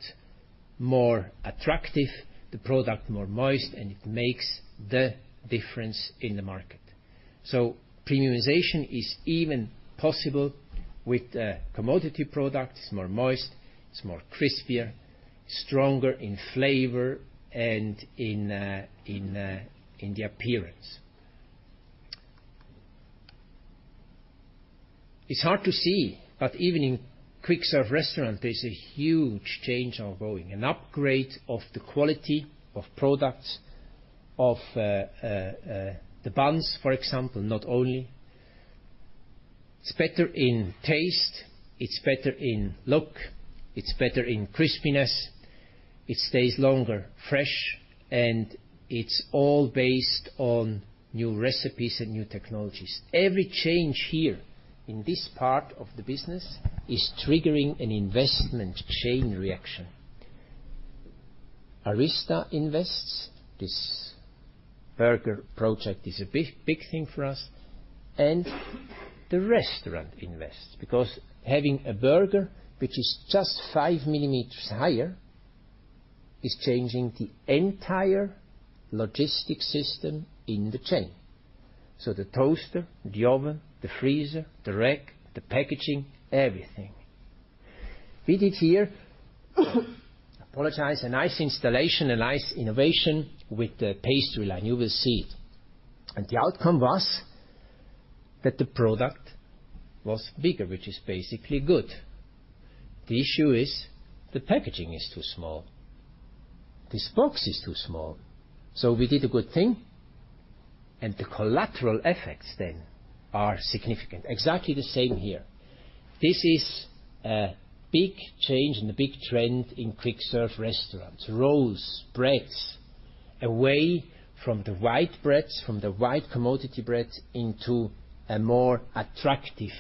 more attractive, the product more moist, and it makes the difference in the market. Premiumization is even possible with a commodity product. It's more moist, it's more crispier, stronger in flavor and in the appearance. It's hard to see, but even in quick-service restaurant, there's a huge change ongoing. An upgrade of the quality of products, of the buns, for example, not only. It's better in taste, it's better in look, it's better in crispiness, it stays longer fresh, and it's all based on new recipes and new technologies. Every change in this part of the business is triggering an investment chain reaction. ARYZTA invests, this burger project is a big, big thing for us, and the restaurant invests because having a burger which is just 5 mm higher is changing the entire logistic system in the chain. The toaster, the oven, the freezer, the rack, the packaging, everything. We did here a nice installation, a nice innovation with the pastry line. You will see. The outcome was that the product was bigger, which is basically good. The issue is the packaging is too small. This box is too small. We did a good thing, and the collateral effects then are significant. Exactly the same here. This is a big change and a big trend in quick serve restaurants. Rolls, breads, away from the white breads, from the white commodity breads, into a more attractive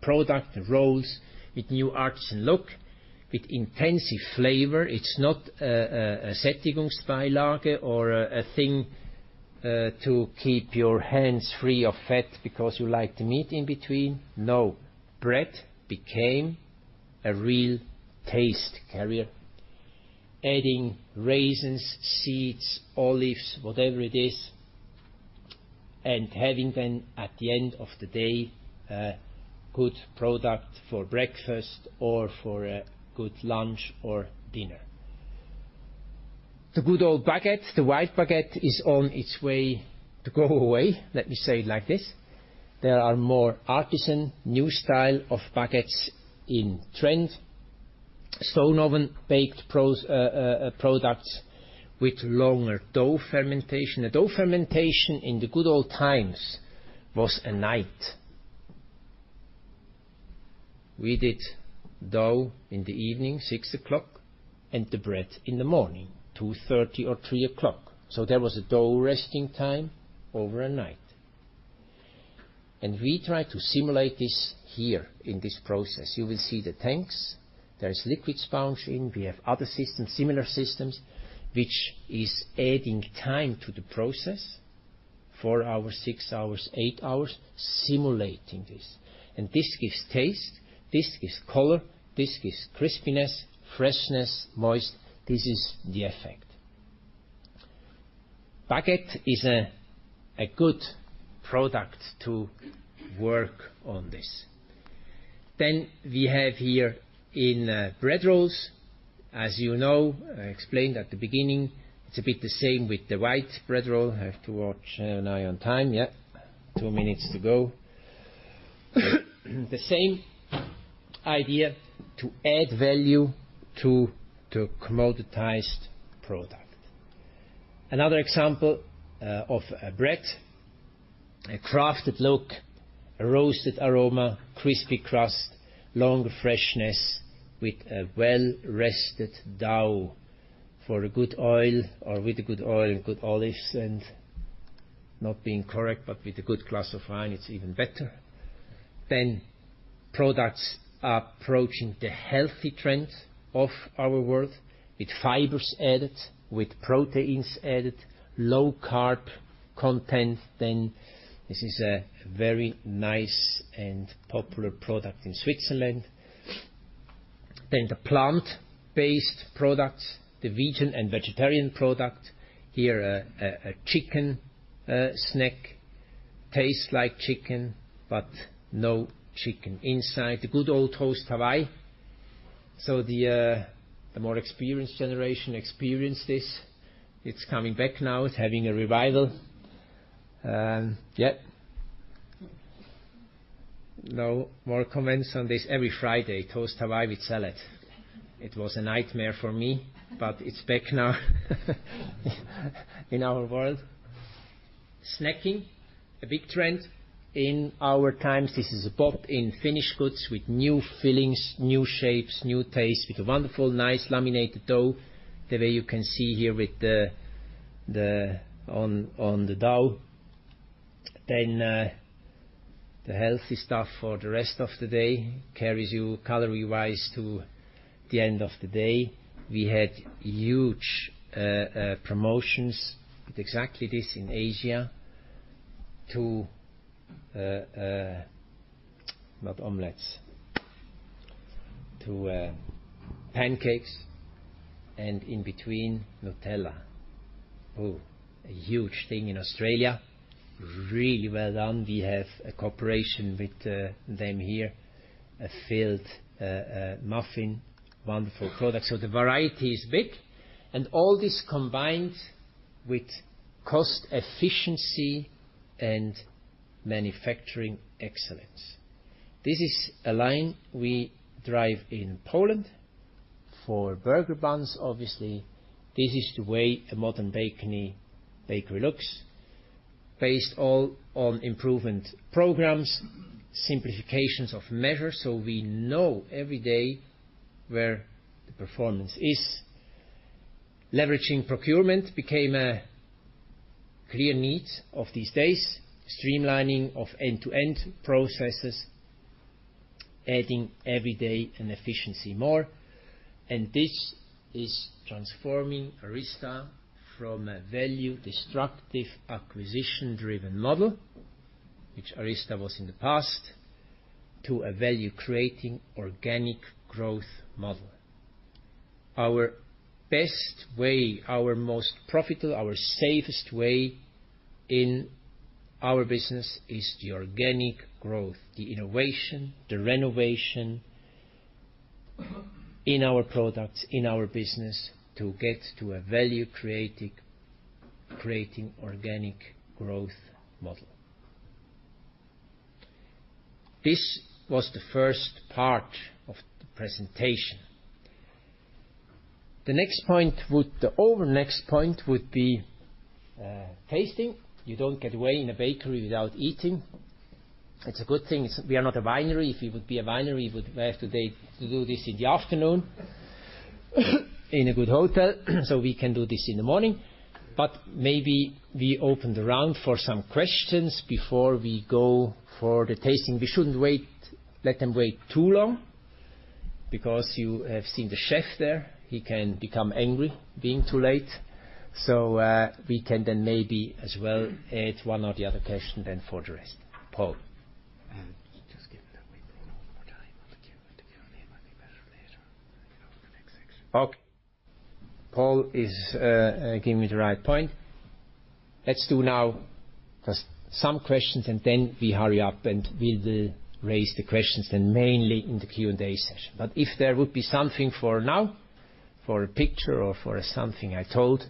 product. Rolls with new artisan look, with intensive flavor. It's not a Sättigungsbeilage or a thing to keep your hands free of fat because you like the meat in between. No. Bread became a real taste carrier. Adding raisins, seeds, olives, whatever it is, and having then at the end of the day, a good product for breakfast or for a good lunch or dinner. The good old baguette, the white baguette, is on its way to go away, let me say it like this. There are more artisan, new style of baguettes in trend. Stone oven-baked products with longer dough fermentation. The dough fermentation in the good old times was a night. We did dough in the evening, 6:00 P.M., and the bread in the morning, 2:30 A.M. or 3:00 A.M. There was a dough resting time over a night. We try to simulate this here in this process. You will see the tanks. There is liquid sponge in. We have other systems, similar systems, which is adding time to the process, four hours, six hours, eight hours, simulating this. This gives taste. This gives color. This gives crispiness, freshness, moist. This is the effect. Baguette is a good product to work on this. Then we have here in bread rolls. As you know, I explained at the beginning, it's a bit the same with the white bread roll. I have to watch now on time. Yeah. two minutes to go. The same idea to add value to the commoditized product. Another example of a bread, a crafted look, a roasted aroma, crispy crust, longer freshness with a well-rested dough for a good oil or with a good oil and good olives and not being correct, but with a good glass of wine, it's even better. Products approaching the healthy trend of our world with fibers added, with proteins added, low carb content. This is a very nice and popular product in Switzerland. The plant-based products, the vegan and vegetarian product. Here a chicken snack. Tastes like chicken, but no chicken inside. The good old Toast Hawaii. The more experienced generation experienced this. It's coming back now. It's having a revival. Yeah. No more comments on this. Every Friday, Toast Hawaii with salad. It was a nightmare for me, but it's back now in our world. Snacking, a big trend in our times. This is bought in finished goods with new fillings, new shapes, new tastes, with a wonderful, nice laminated dough. The way you can see here with the on the dough. The healthy stuff for the rest of the day carries you calorie-wise to the end of the day. We had huge promotions with exactly this in Asia to pancakes, and in between, Nutella. Oh, a huge thing in Australia. Really well done. We have a cooperation with them here. A filled muffin, wonderful product. The variety is big. All this combined with cost efficiency and manufacturing excellence. This is a line we drive in Poland for burger buns, obviously. This is the way a modern bakery looks, based all on improvement programs, simplifications of measures, so we know every day where the performance is. Leveraging procurement became a clear need of these days. Streamlining of end-to-end processes, adding every day an efficiency more. This is transforming ARYZTA from a value-destructive acquisition-driven model, which ARYZTA was in the past, to a value-creating organic growth model. Our best way, our most profitable, our safest way in our business is the organic growth, the innovation, the renovation in our products, in our business to get to a value-creating organic growth model. This was the first part of the presentation. The next point would be tasting. You don't get away in a bakery without eating. It's a good thing we are not a winery. If we would be a winery, we would have today to do this in the afternoon in a good hotel, so we can do this in the morning. But maybe we open the round for some questions before we go for the tasting. We shouldn't wait, let them wait too long, because you have seen the chef there. He can become angry, being too late. So, we can then maybe as well add one or the other question then for the rest. Paul. Just giving them a bit more time on the Q&A might be better later, you know, for the next section. Okay. Paul is giving me the right point. Let's do now just some questions, and then we hurry up, and we'll raise the questions then mainly in the Q&A session. If there would be something for now, for a picture or for something I told,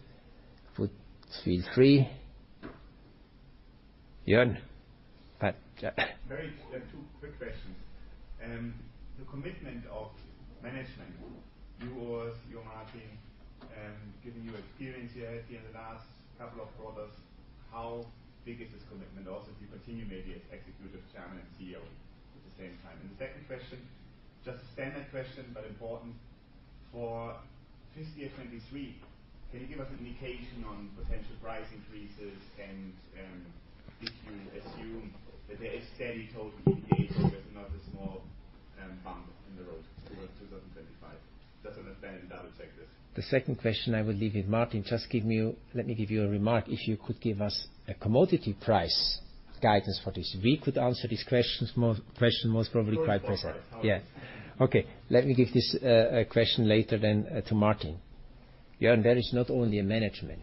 please feel free. Joern? Two quick questions. The commitment of management, yours, your Martin, given your experience here in the last couple of quarters, how big is this commitment? Also, do you continue maybe as executive chairman and CEO at the same time? The second question, just a standard question, but important. For fiscal 2023, can you give us an indication on potential price increases and, if you assume that there is steady total inflation, but not a small bump in the road towards 2025? Just understand it that way. The second question I will leave with Martin. Let me give you a remark. If you could give us a commodity price guidance for this, we could answer these questions most probably quite precise. Yeah. Okay, let me give this question later then to Martin. Joern, there is not only a management.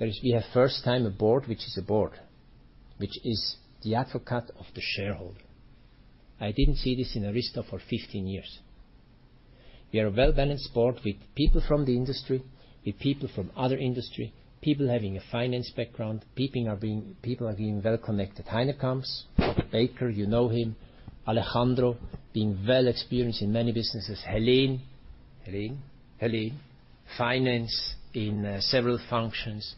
We have first time a board, which is the advocate of the shareholder. I didn't see this in ARYZTA for 15 years. We are a well-balanced board with people from the industry, with people from other industry, people having a finance background, people are being well connected. Heiner Kamps, you know him. Alejandro being well experienced in many businesses. Helene, finance in several functions.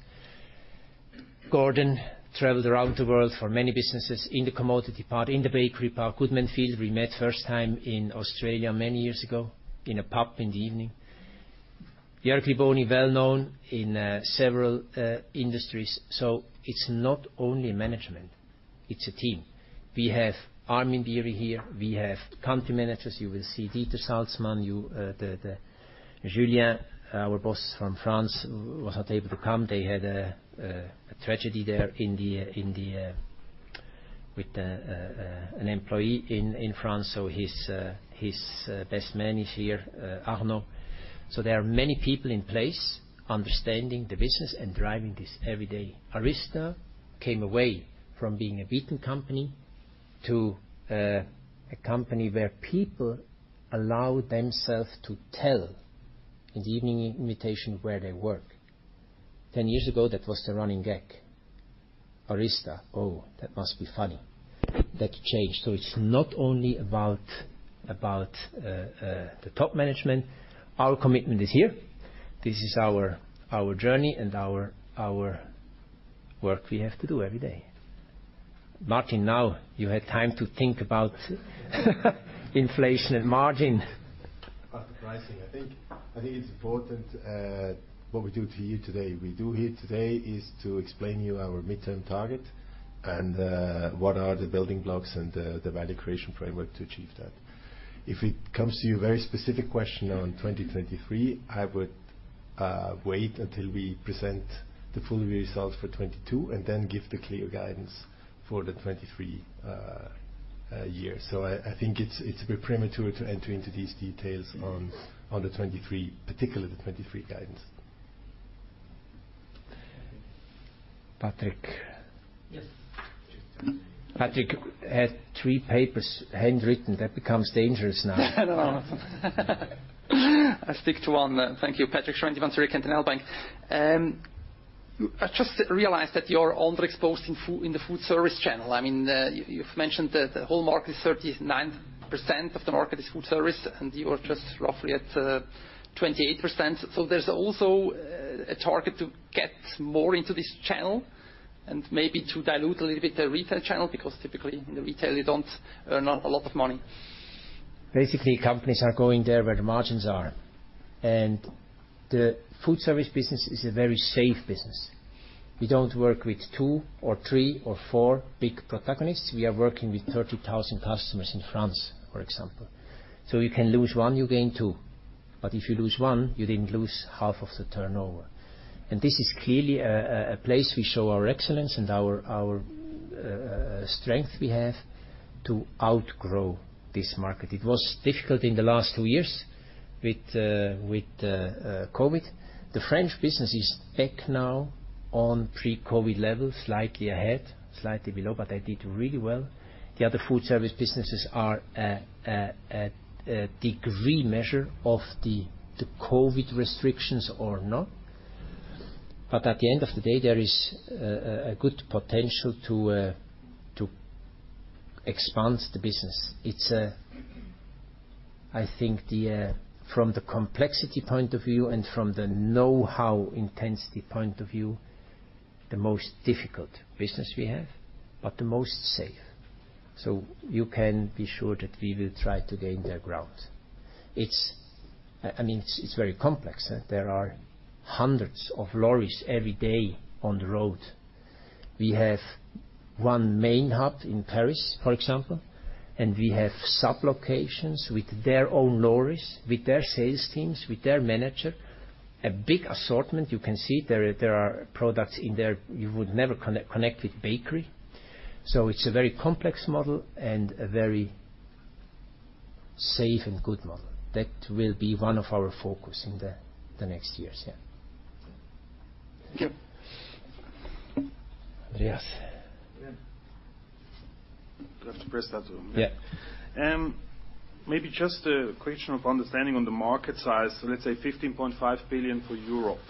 Gordon traveled around the world for many businesses in the commodity part, in the bakery part. Goodman Fielder, we met first time in Australia many years ago in a pub in the evening. Jérémy Bonnafont, well-known in several industries. It's not only management, it's a team. We have Armin Bieri here. We have country managers. You will see Dieter Salzmann. Julien, our boss from France, was not able to come. They had a tragedy there with an employee in France. His best man is here, Arno. There are many people in place understanding the business and driving this every day. ARYZTA came away from being a beaten company to a company where people allow themselves to tell in the evening invitation where they work. Ten years ago, that was the running gag. ARYZTA, oh, that must be funny. That changed. It's not only about the top management. Our commitment is here. This is our journey and our work we have to do every day. Martin, now you had time to think about inflation and margin. About the pricing, I think it's important what we do here today is to explain to you our midterm target and what are the building blocks and the value creation framework to achieve that. If it comes to a very specific question on 2023, I would wait until we present the full year results for 2022 and then give the clear guidance for the 2023 year. I think it's a bit premature to enter into these details on the 2023, particularly the 2023 guidance. Patrick. Yes. Patrick had three papers handwritten. That becomes dangerous now. I'll stick to one. Thank you. Patrik Schwendimann from Zürcher Kantonalbank. I just realized that you're underexposed in food, in the food service channel. I mean, you've mentioned that the whole market is 39% of the market is food service, and you're just roughly at 28%. There's also a target to get more into this channel and maybe to dilute a little bit the retail channel, because typically in the retail you don't earn a lot of money. Basically, companies are going there where the margins are. The food service business is a very safe business. We don't work with two or three or four big protagonists. We are working with 30,000 customers in France, for example. You can lose one, you gain two, but if you lose one, you didn't lose half of the turnover. This is clearly a place we show our excellence and our strength we have to outgrow this market. It was difficult in the last two years with COVID. The French business is back now on pre-COVID levels, slightly ahead, slightly below, but they did really well. The other food service businesses are at the mercy of the COVID restrictions or not. At the end of the day, there is a good potential to expand the business. I think the from the complexity point of view and from the know-how intensity point of view, the most difficult business we have, but the most safe. You can be sure that we will try to gain their ground. I mean, it's very complex. There are hundreds of lorries every day on the road. We have one main hub in Paris, for example, and we have sub locations with their own lorries, with their sales teams, with their manager. A big assortment, you can see there are products in there you would never connect with bakery. It's a very complex model and a very safe and good model. That will be one of our focus in the next years. Yeah. Thank you. Yes. Yeah. Do I have to press that too? Yeah. Maybe just a question of understanding on the market size. Let's say 15.5 billion for Europe.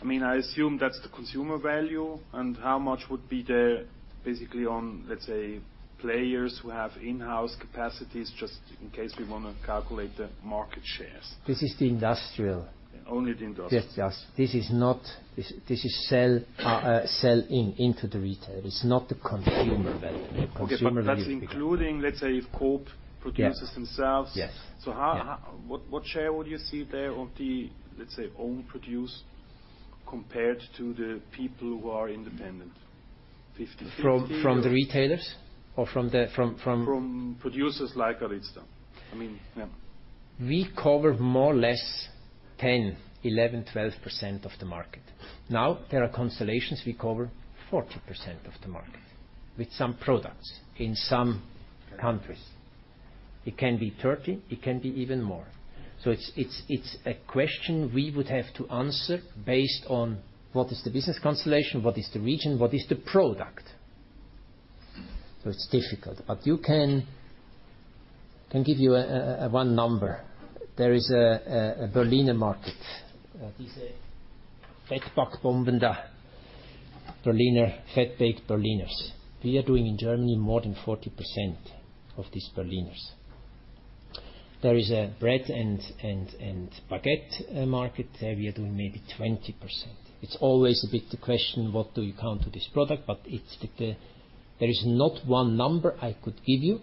I mean, I assume that's the consumer value, and how much would be the, basically on, let's say, players who have in-house capacities, just in case we wanna calculate the market shares. This is the industrial. Only the industrial. Yes, yes. This is not sell in into the retail. It's not the consumer value. The consumer value. Okay. That's including, let's say, if Coop produces themselves. Yes, yes. Yeah. What share would you see there of the, let's say, own produce compared to the people who are independent? 50/50 or- From the retailers or from the From producers like ARYZTA. I mean, yeah. We cover more or less 10%, 11%, 12% of the market. Now, there are constellations we cover 40% of the market with some products in some countries. It can be 30%, it can be even more. It's a question we would have to answer based on what is the business constellation, what is the region, what is the product. It's difficult, but I can give you one number. There is a Berliner market. These Fettback, Bomben, Berliner, fat baked Berliners. We are doing in Germany more than 40% of these Berliners. There is a bread and baguette market. We are doing maybe 20%. It's always a bit of a question, what do you count as this product. There is not one number I could give you.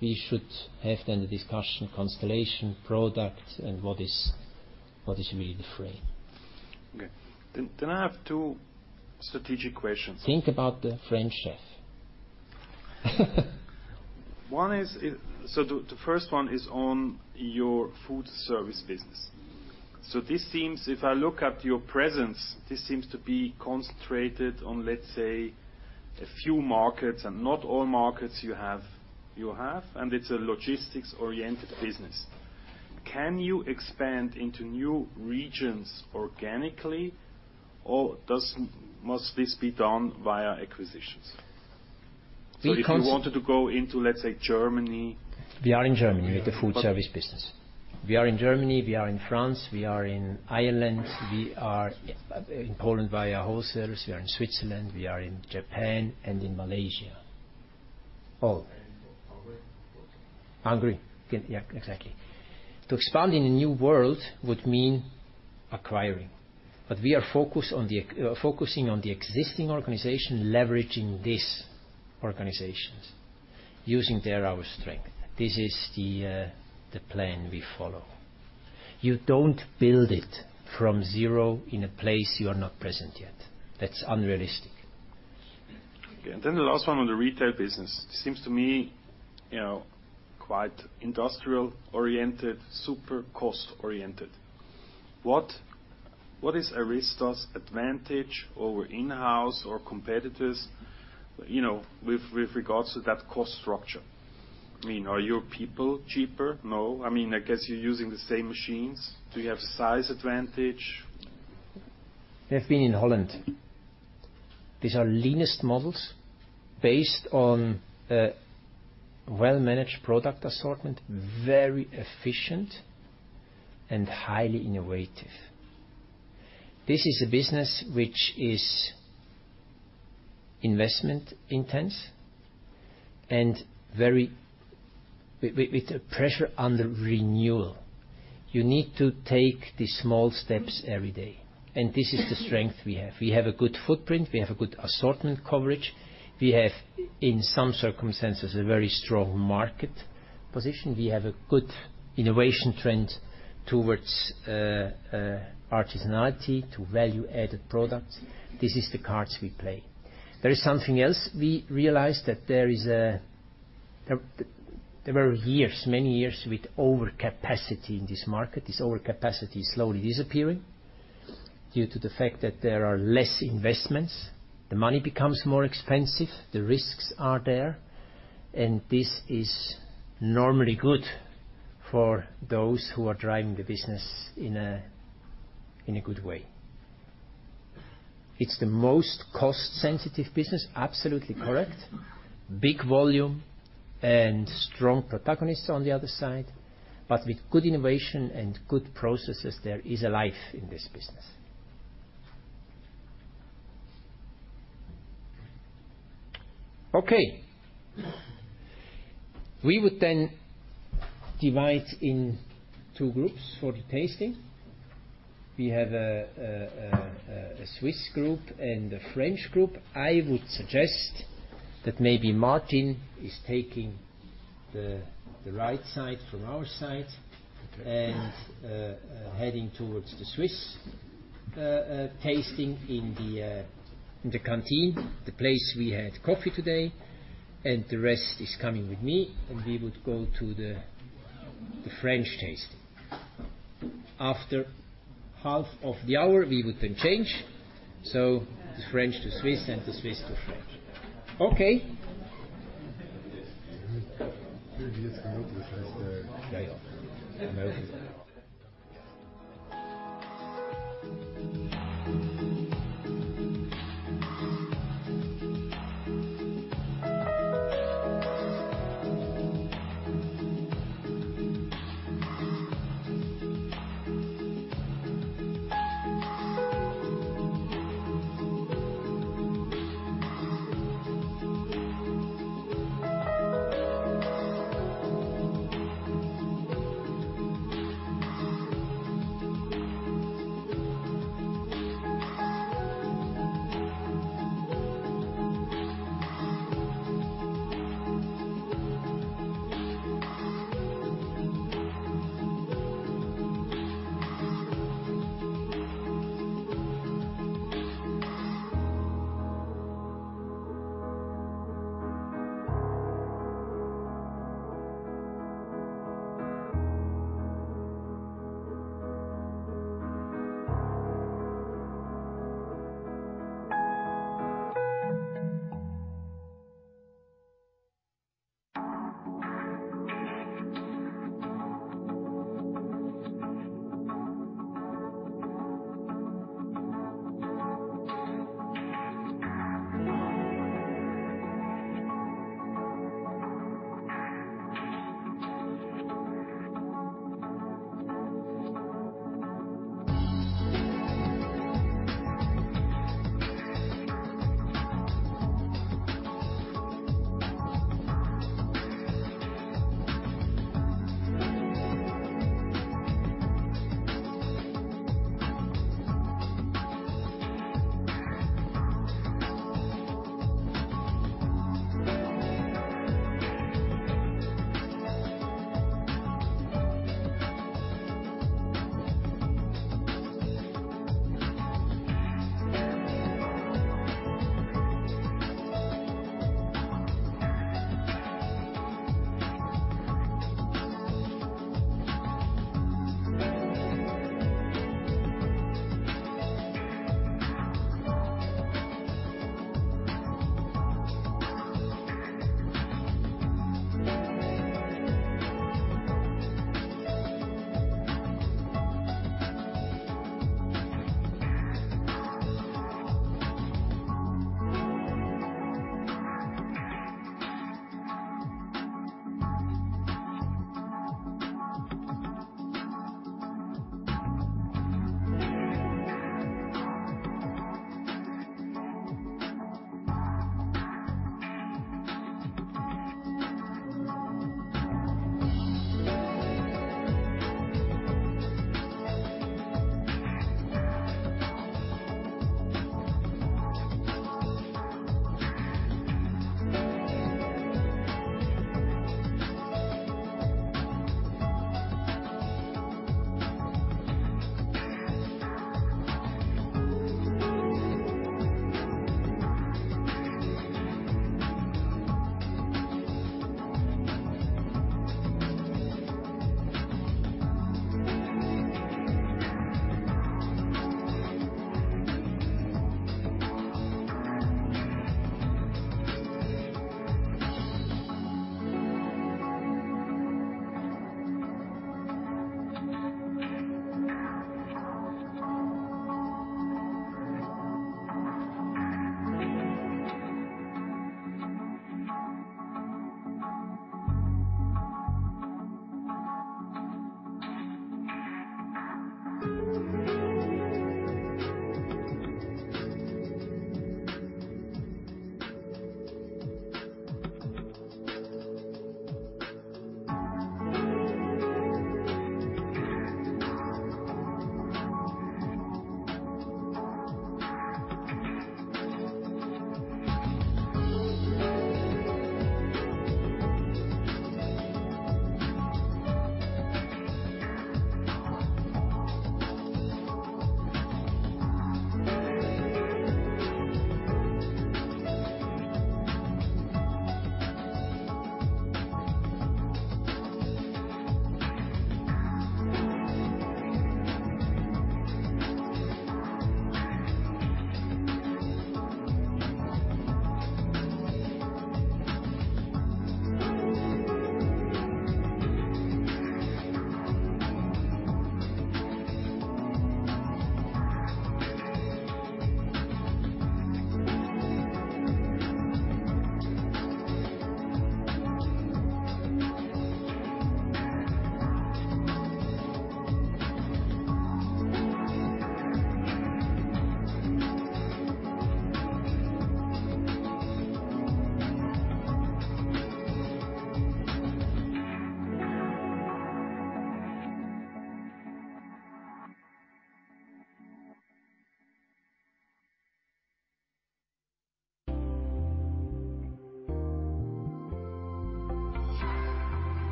We should have the discussion constellation, product, and what is really the frame. Okay. I have two strategic questions. Think about the French chef. The first one is on your food service business. This seems, if I look at your presence, this seems to be concentrated on, let's say, a few markets and not all markets you have, and it's a logistics-oriented business. Can you expand into new regions organically, or must this be done via acquisitions? We cons- If you wanted to go into, let's say, Germany. We are in Germany with the food service business. We are in Germany, we are in France, we are in Ireland, we are in Poland via wholesalers, we are in Switzerland, we are in Japan and in Malaysia. All. Hungary. Hungary. Yeah. Exactly. To expand in a new world would mean acquiring. We are focused on focusing on the existing organization, leveraging these organizations, using their our strength. This is the plan we follow. You don't build it from zero in a place you are not present yet. That's unrealistic. Okay. The last one on the retail business. It seems to me, you know, quite industrial-oriented, super cost-oriented. What is ARYZTA's advantage over in-house or competitors, you know, with regards to that cost structure? I mean, are your people cheaper? No. I mean, I guess you're using the same machines. Do you have size advantage? We have been in Holland. These are leanest models based on a well-managed product assortment, very efficient, and highly innovative. This is a business which is investment intensive and very with a pressure on the renewal. You need to take the small steps every day, and this is the strength we have. We have a good footprint. We have a good assortment coverage. We have, in some circumstances, a very strong market position. We have a good innovation trend towards artisanality to value-added products. This is the cards we play. There is something else we realized that there were years, many years with overcapacity in this market. This overcapacity is slowly disappearing due to the fact that there are less investments. The money becomes more expensive, the risks are there, and this is normally good for those who are driving the business in a good way. It's the most cost-sensitive business, absolutely correct. Big volume and strong protagonists on the other side, but with good innovation and good processes, there is a life in this business. Okay. We would then divide in two groups for the tasting. We have a Swiss group and a French group. I would suggest that maybe Martin is taking the right side from our side and heading towards the Swiss tasting in the canteen, the place we had coffee today, and the rest is coming with me, and we would go to the French tasting. After half of the hour, we would then change. The French to Swiss and the Swiss to French. Okay.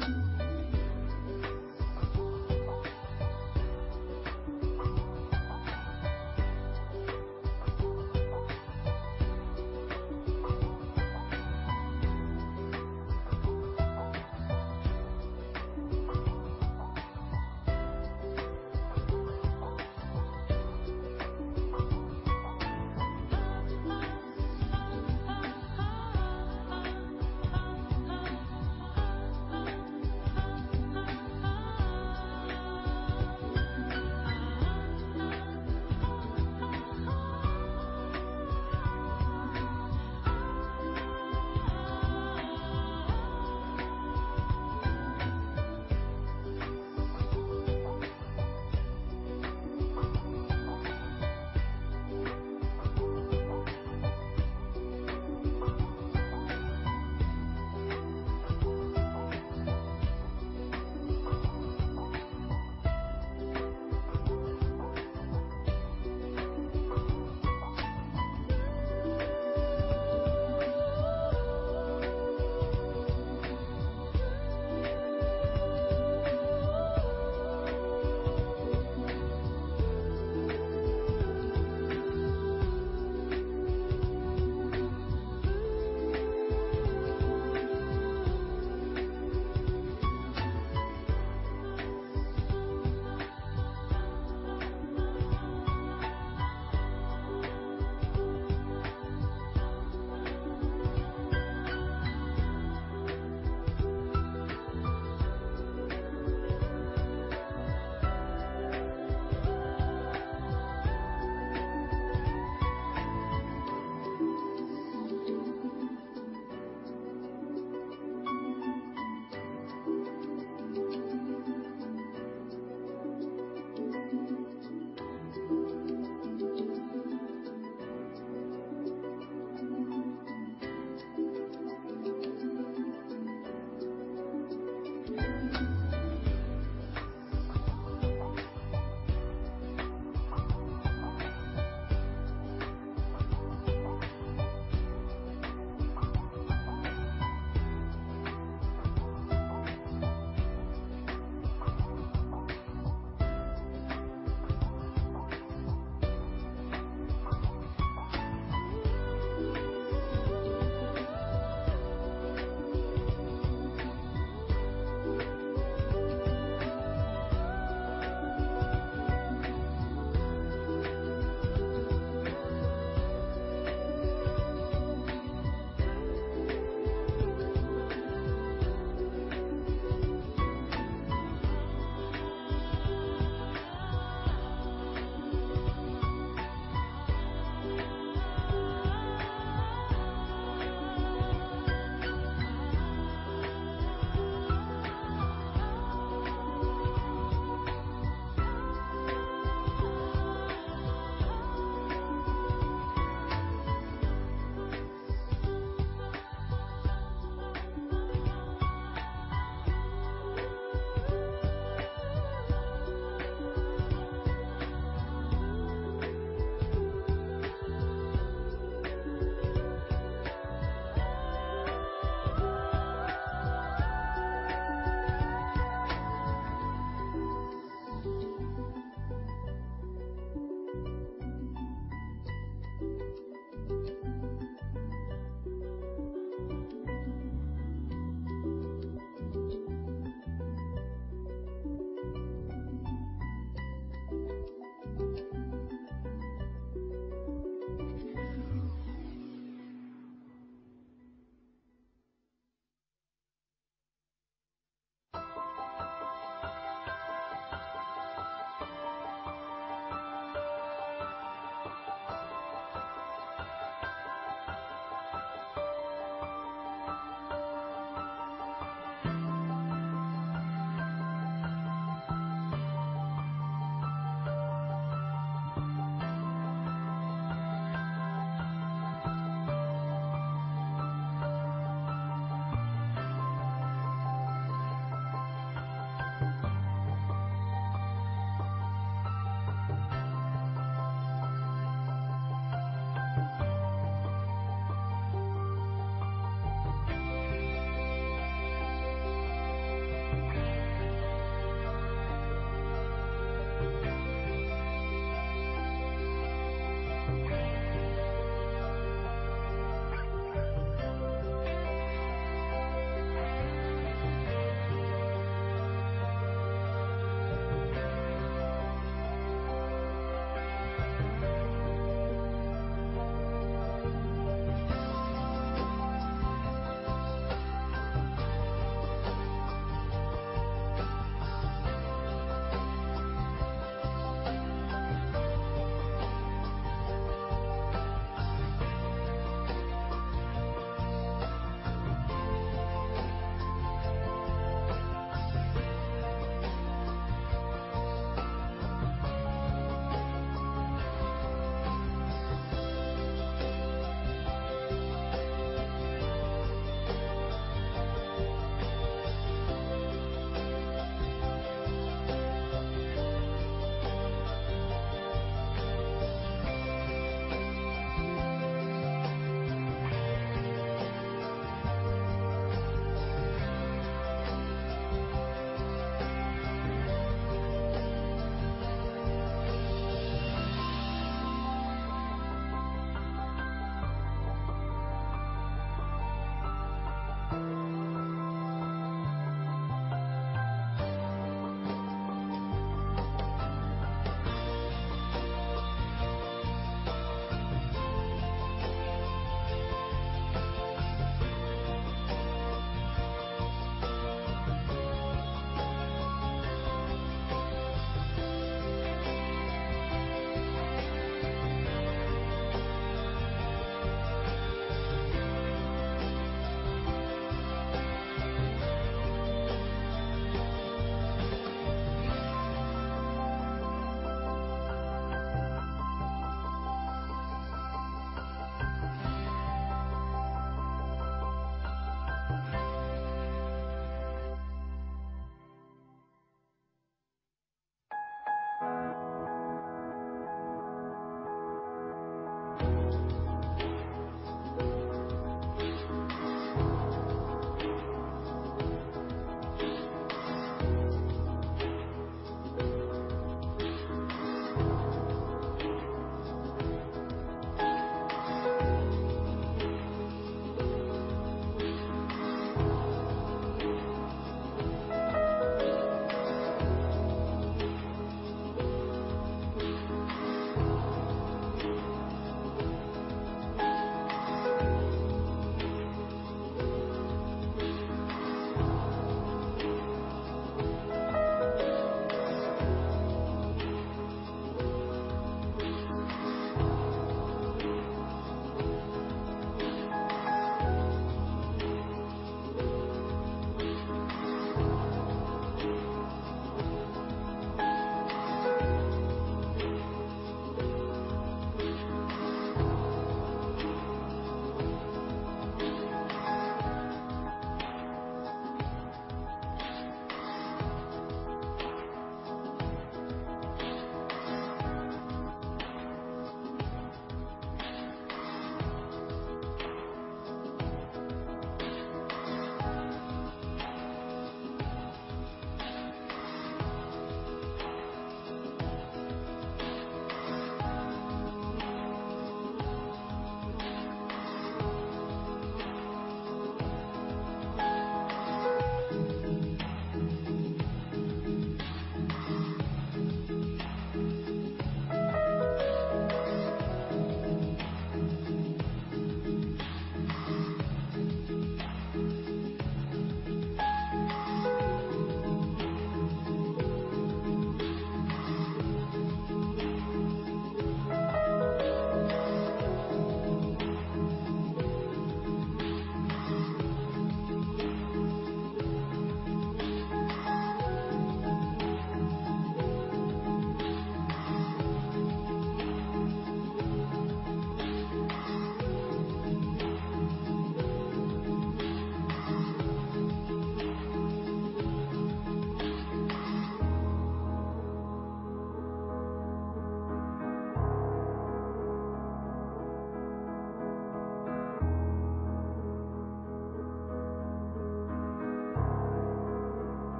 Welcome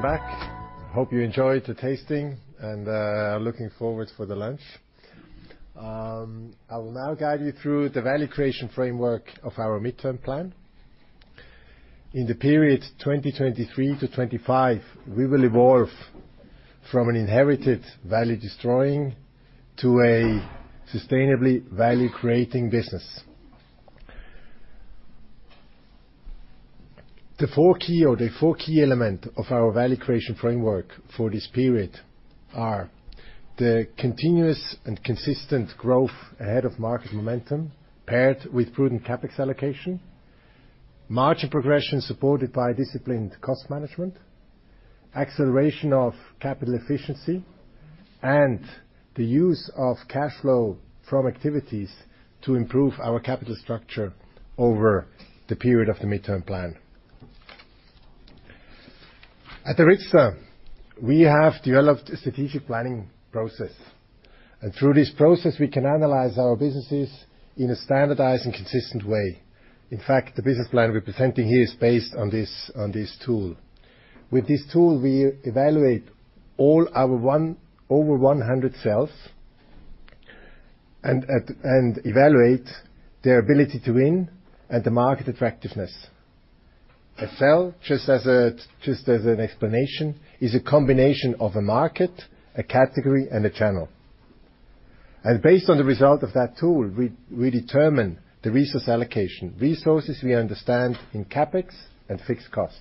back. Hope you enjoyed the tasting and looking forward for the lunch. I will now guide you through the value creation framework of our midterm plan. In the period 2023-2025, we will evolve from an inherited value destroying to a sustainably value creating business. The four key element of our value creation framework for this period are the continuous and consistent growth ahead of market momentum paired with prudent CapEx allocation, margin progression supported by disciplined cost management, acceleration of capital efficiency, and the use of cash flow from activities to improve our capital structure over the period of the midterm plan. At ARYZTA, we have developed a strategic planning process, and through this process, we can analyze our businesses in a standardized and consistent way. In fact, the business plan we're presenting here is based on this tool. With this tool, we evaluate all our over 100 sales and evaluate their ability to win and the market attractiveness. A sale, just as an explanation, is a combination of a market, a category, and a channel. Based on the result of that tool, we determine the resource allocation. Resources we understand in CapEx and fixed cost.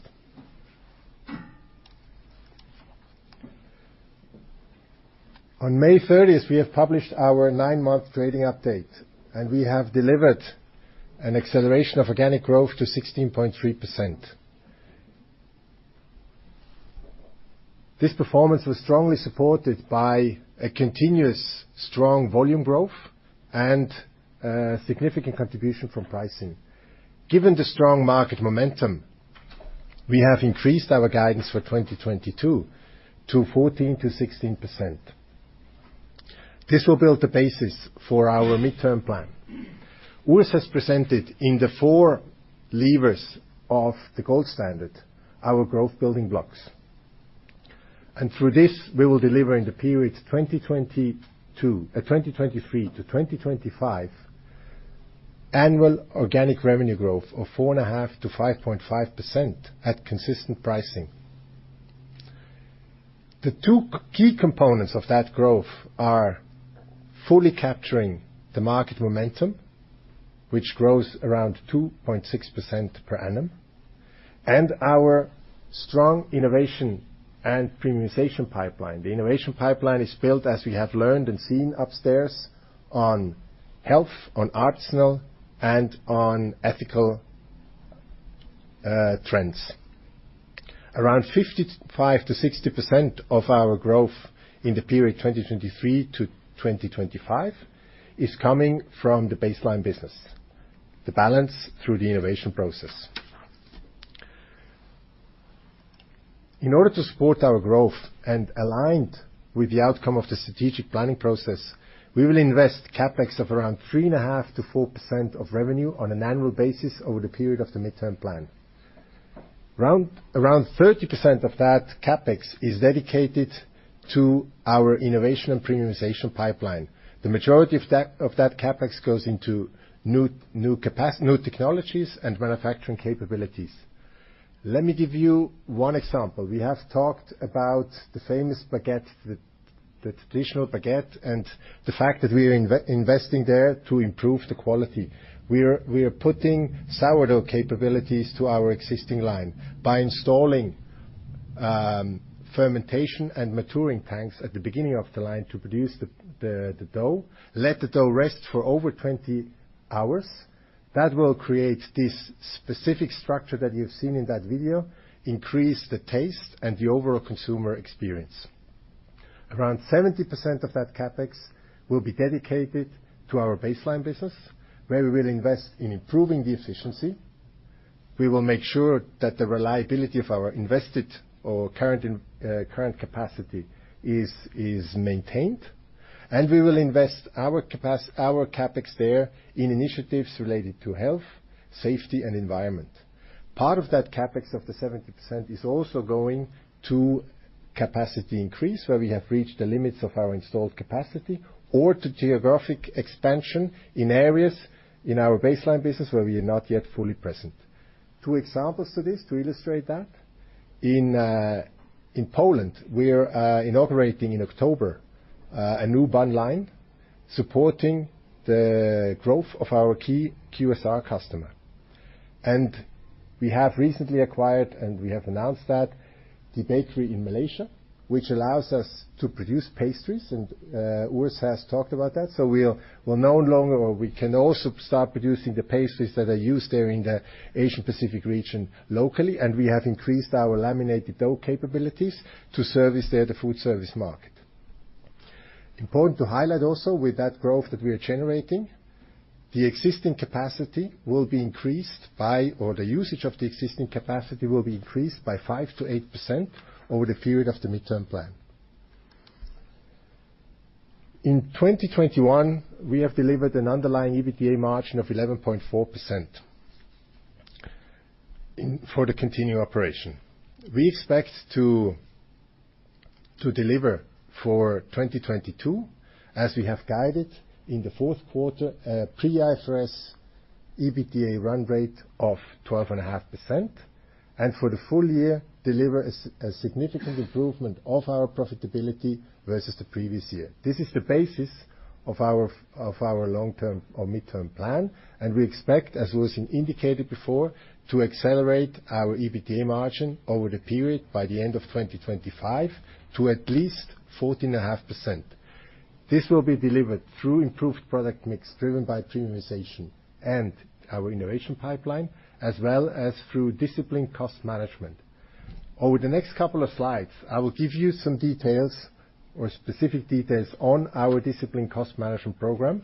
On May thirtieth, we have published our nine-month trading update, and we have delivered an acceleration of organic growth to 16.3%. This performance was strongly supported by a continuous strong volume growth and significant contribution from pricing. Given the strong market momentum, we have increased our guidance for 2022 to 14%-16%. This will build the basis for our midterm plan. Urs has presented in the four levers of the gold standard our growth building blocks. Through this, we will deliver in the period 2022, 2023-2025 annual organic revenue growth of 4.5%-5.5% at consistent pricing. The two key components of that growth are fully capturing the market momentum, which grows around 2.6% per annum, and our strong innovation and premiumization pipeline. The innovation pipeline is built, as we have learned and seen upstairs, on health, on artisanal, and on ethical trends. Around 55%-60% of our growth in the period 2023-2025 is coming from the baseline business, the balance through the innovation process. In order to support our growth and aligned with the outcome of the strategic planning process, we will invest CapEx of around 3.5%-4% of revenue on an annual basis over the period of the midterm plan. Around 30% of that CapEx is dedicated to our innovation and premiumization pipeline. The majority of that CapEx goes into new technologies and manufacturing capabilities. Let me give you one example. We have talked about the famous baguette, the traditional baguette, and the fact that we are investing there to improve the quality. We are putting sourdough capabilities to our existing line by installing fermentation and maturing tanks at the beginning of the line to produce the dough. Let the dough rest for over 20 hours. That will create this specific structure that you've seen in that video, increase the taste and the overall consumer experience. Around 70% of that CapEx will be dedicated to our baseline business, where we will invest in improving the efficiency. We will make sure that the reliability of our current capacity is maintained, and we will invest our CapEx there in initiatives related to health, safety, and environment. Part of that CapEx of the 70% is also going to capacity increase, where we have reached the limits of our installed capacity, or to geographic expansion in areas in our baseline business where we are not yet fully present. Two examples to illustrate that. In Poland, we are inaugurating in October a new bun line supporting the growth of our key QSR customer. We have recently acquired, and we have announced that, the bakery in Malaysia, which allows us to produce pastries, and Urs has talked about that. We can also start producing the pastries that are used there in the Asian Pacific region locally, and we have increased our laminated dough capabilities to service there the food service market. Important to highlight also with that growth that we are generating, the usage of the existing capacity will be increased by 5%-8% over the period of the midterm plan. In 2021, we have delivered an underlying EBITDA margin of 11.4% for the continued operation. We expect to deliver for 2022, as we have guided in the fourth quarter, a pre-IFRS EBITDA run rate of 12.5%, and for the full year, deliver a significant improvement of our profitability versus the previous year. This is the basis of our long-term or midterm plan, and we expect, as Urs indicated before, to accelerate our EBITDA margin over the period by the end of 2025 to at least 14.5%. This will be delivered through improved product mix driven by premiumization and our innovation pipeline, as well as through disciplined cost management. Over the next couple of slides, I will give you some details or specific details on our disciplined cost management program.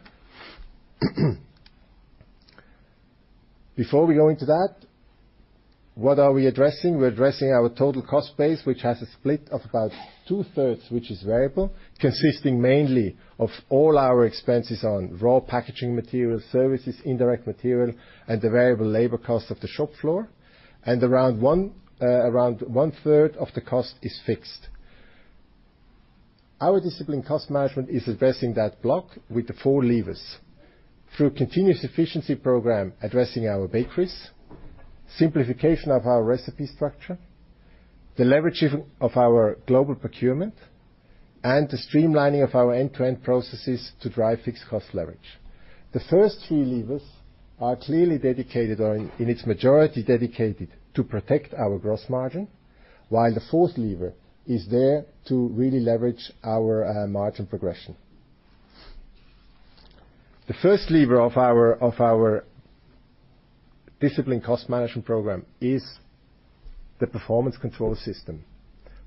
Before we go into that, what are we addressing? We're addressing our total cost base, which has a split of about 2/3, which is variable, consisting mainly of all our expenses on raw packaging material, services, indirect material, and the variable labor cost of the shop floor, and around 1/3 of the cost is fixed. Our disciplined cost management is addressing that block with the four levers through continuous efficiency program addressing our bakeries, simplification of our recipe structure, the leverage of our global procurement, and the streamlining of our end-to-end processes to drive fixed cost leverage. The first three levers are clearly dedicated or in its majority dedicated to protect our gross margin, while the fourth lever is there to really leverage our margin progression. The first lever of our disciplined cost management program is the performance control system.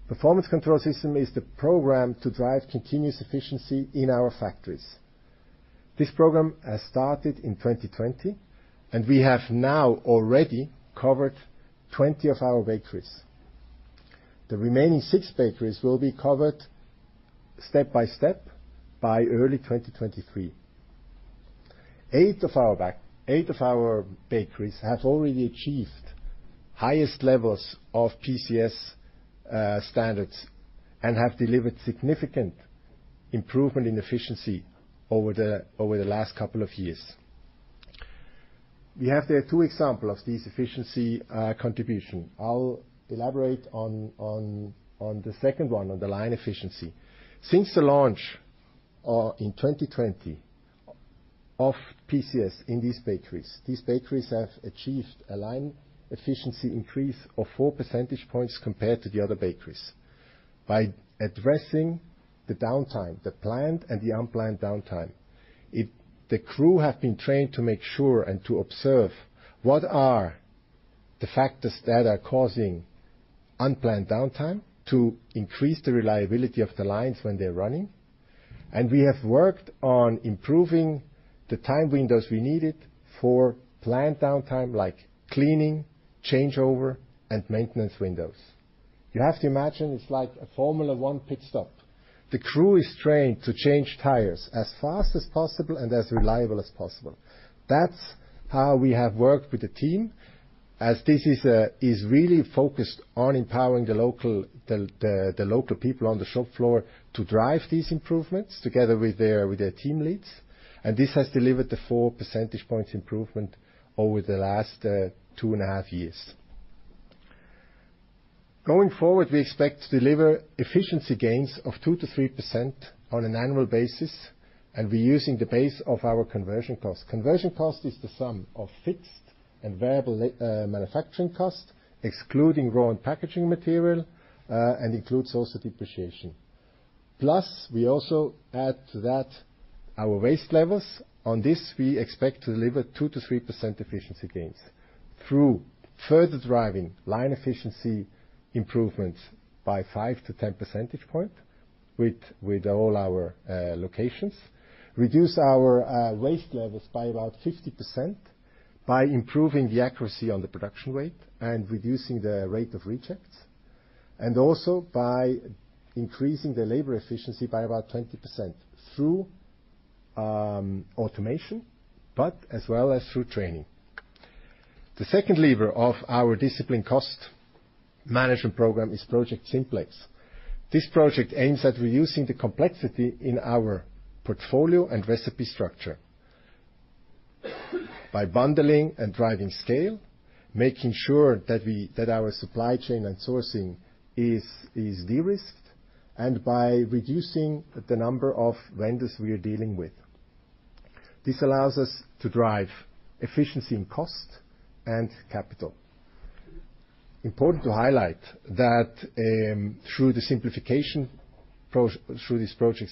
Performance control system is the program to drive continuous efficiency in our factories. This program has started in 2020, and we have now already covered 20 of our bakeries. The remaining six bakeries will be covered step by step by early 2023. Eight of our bakeries have already achieved highest levels of PCS standards and have delivered significant improvement in efficiency over the last couple of years. We have there two examples of these efficiency contributions. I'll elaborate on the second one, on the line efficiency. Since the launch in 2020 of PCS in these bakeries, these bakeries have achieved a line efficiency increase of 4 percentage points compared to the other bakeries. By addressing the downtime, the planned and the unplanned downtime, it The crew have been trained to make sure and to observe what are the factors that are causing unplanned downtime to increase the reliability of the lines when they're running. We have worked on improving the time windows we needed for planned downtime like cleaning, changeover, and maintenance windows. You have to imagine it's like a Formula One pit stop. The crew is trained to change tires as fast as possible and as reliable as possible. That's how we have worked with the team as this is really focused on empowering the local people on the shop floor to drive these improvements together with their team leads, and this has delivered the 4 percentage points improvement over the last two and a half years. Going forward, we expect to deliver efficiency gains of 2%-3% on an annual basis, and we're using the base of our conversion cost. Conversion cost is the sum of fixed and variable manufacturing cost, excluding raw and packaging material, and includes also depreciation. Plus, we also add to that our waste levels. On this, we expect to deliver 2%-3% efficiency gains. Through further driving line efficiency improvements by 5-10 percentage points with all our locations. Reduce our waste levels by about 50% by improving the accuracy on the production rate and reducing the rate of rejects, and also by increasing the labor efficiency by about 20% through automation, but as well as through training. The second lever of our disciplined cost management program is Project SIMPLEX. This project aims at reducing the complexity in our portfolio and recipe structure. By bundling and driving scale, making sure that our supply chain and sourcing is de-risked, and by reducing the number of vendors we are dealing with. This allows us to drive efficiency in cost and capital. Important to highlight that, through this Project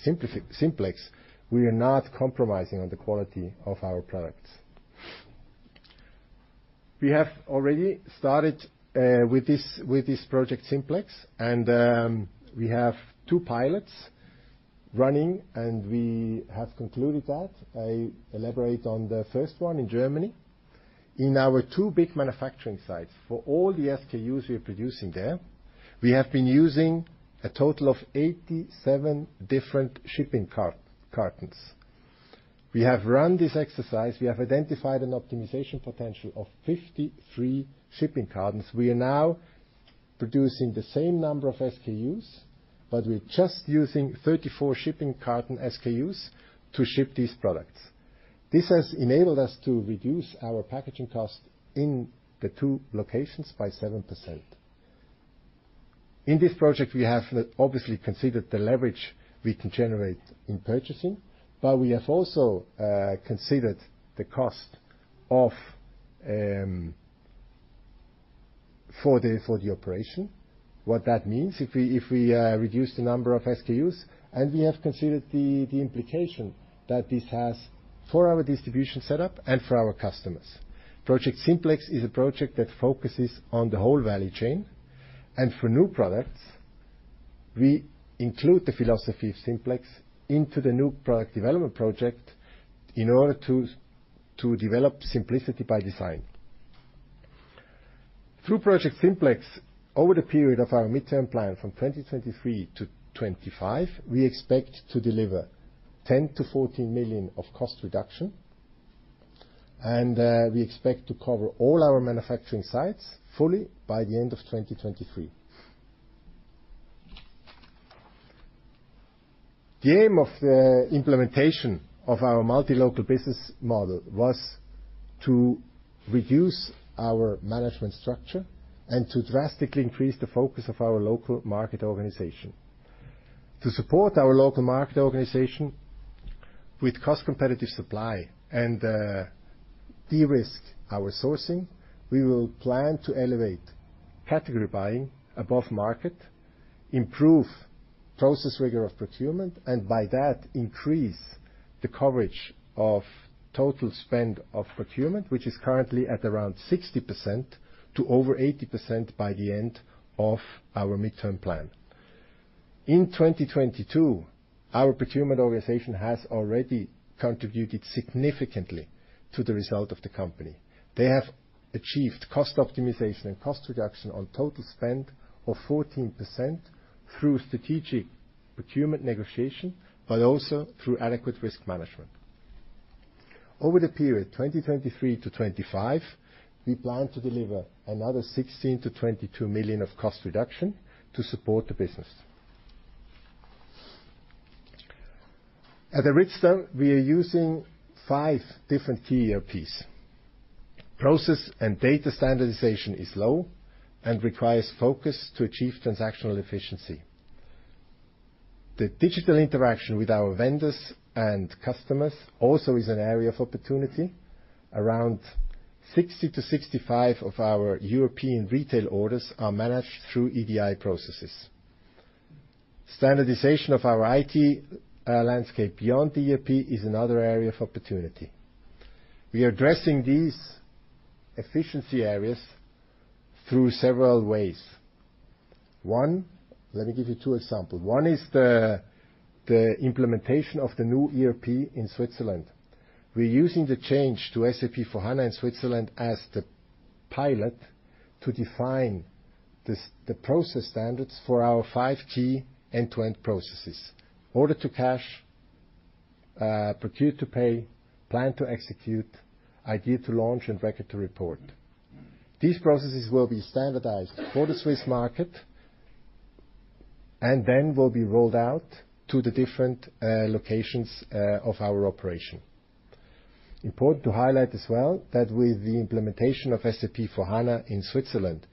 SIMPLEX, we are not compromising on the quality of our products. We have already started with this Project SIMPLEX, and we have two pilots running, and we have concluded that. I elaborate on the first one in Germany. In our two big manufacturing sites for all the SKUs we are producing there, we have been using a total of 87 different shipping cartons. We have run this exercise. We have identified an optimization potential of 53 shipping cartons. We are now producing the same number of SKUs, but we're just using 34 shipping carton SKUs to ship these products. This has enabled us to reduce our packaging cost in the two locations by 7%. In this project, we have obviously considered the leverage we can generate in purchasing, but we have also considered the cost for the operation, what that means if we reduce the number of SKUs, and we have considered the implication that this has for our distribution setup and for our customers. Project SIMPLEX is a project that focuses on the whole value chain. For new products, we include the philosophy of SIMPLEX into the new product development project in order to develop simplicity by design. Through Project SIMPLEX, over the period of our midterm plan from 2023 to 2025, we expect to deliver 10 million-14 million of cost reduction, and we expect to cover all our manufacturing sites fully by the end of 2023. The aim of the implementation of our multi-local business model was to reduce our management structure and to drastically increase the focus of our local market organization. To support our local market organization with cost-competitive supply and de-risk our sourcing, we will plan to elevate category buying above market, improve process rigor of procurement, and by that increase the coverage of total spend of procurement, which is currently at around 60% to over 80% by the end of our midterm plan. In 2022, our procurement organization has already contributed significantly to the result of the company. They have achieved cost optimization and cost reduction on total spend of 14% through strategic procurement negotiation, but also through adequate risk management. Over the period 2023-2025, we plan to deliver another 16 million-22 million of cost reduction to support the business. At ARYZTA, we are using five different key ERPs. Process and data standardization is low and requires focus to achieve transactional efficiency. The digital interaction with our vendors and customers also is an area of opportunity. Around 60%-65% of our European retail orders are managed through EDI processes. Standardization of our IT landscape beyond the ERP is another area of opportunity. We are addressing these efficiency areas through several ways. Let me give you two example. One is the implementation of the new ERP in Switzerland. We're using the change to SAP S/4HANA in Switzerland as the pilot to define the process standards for our five key end-to-end processes, order to cash, procure to pay, plan to execute, idea to launch, and record to report. These processes will be standardized for the Swiss market and then will be rolled out to the different locations of our operation. Important to highlight as well that with the implementation of SAP S/4HANA in Switzerland,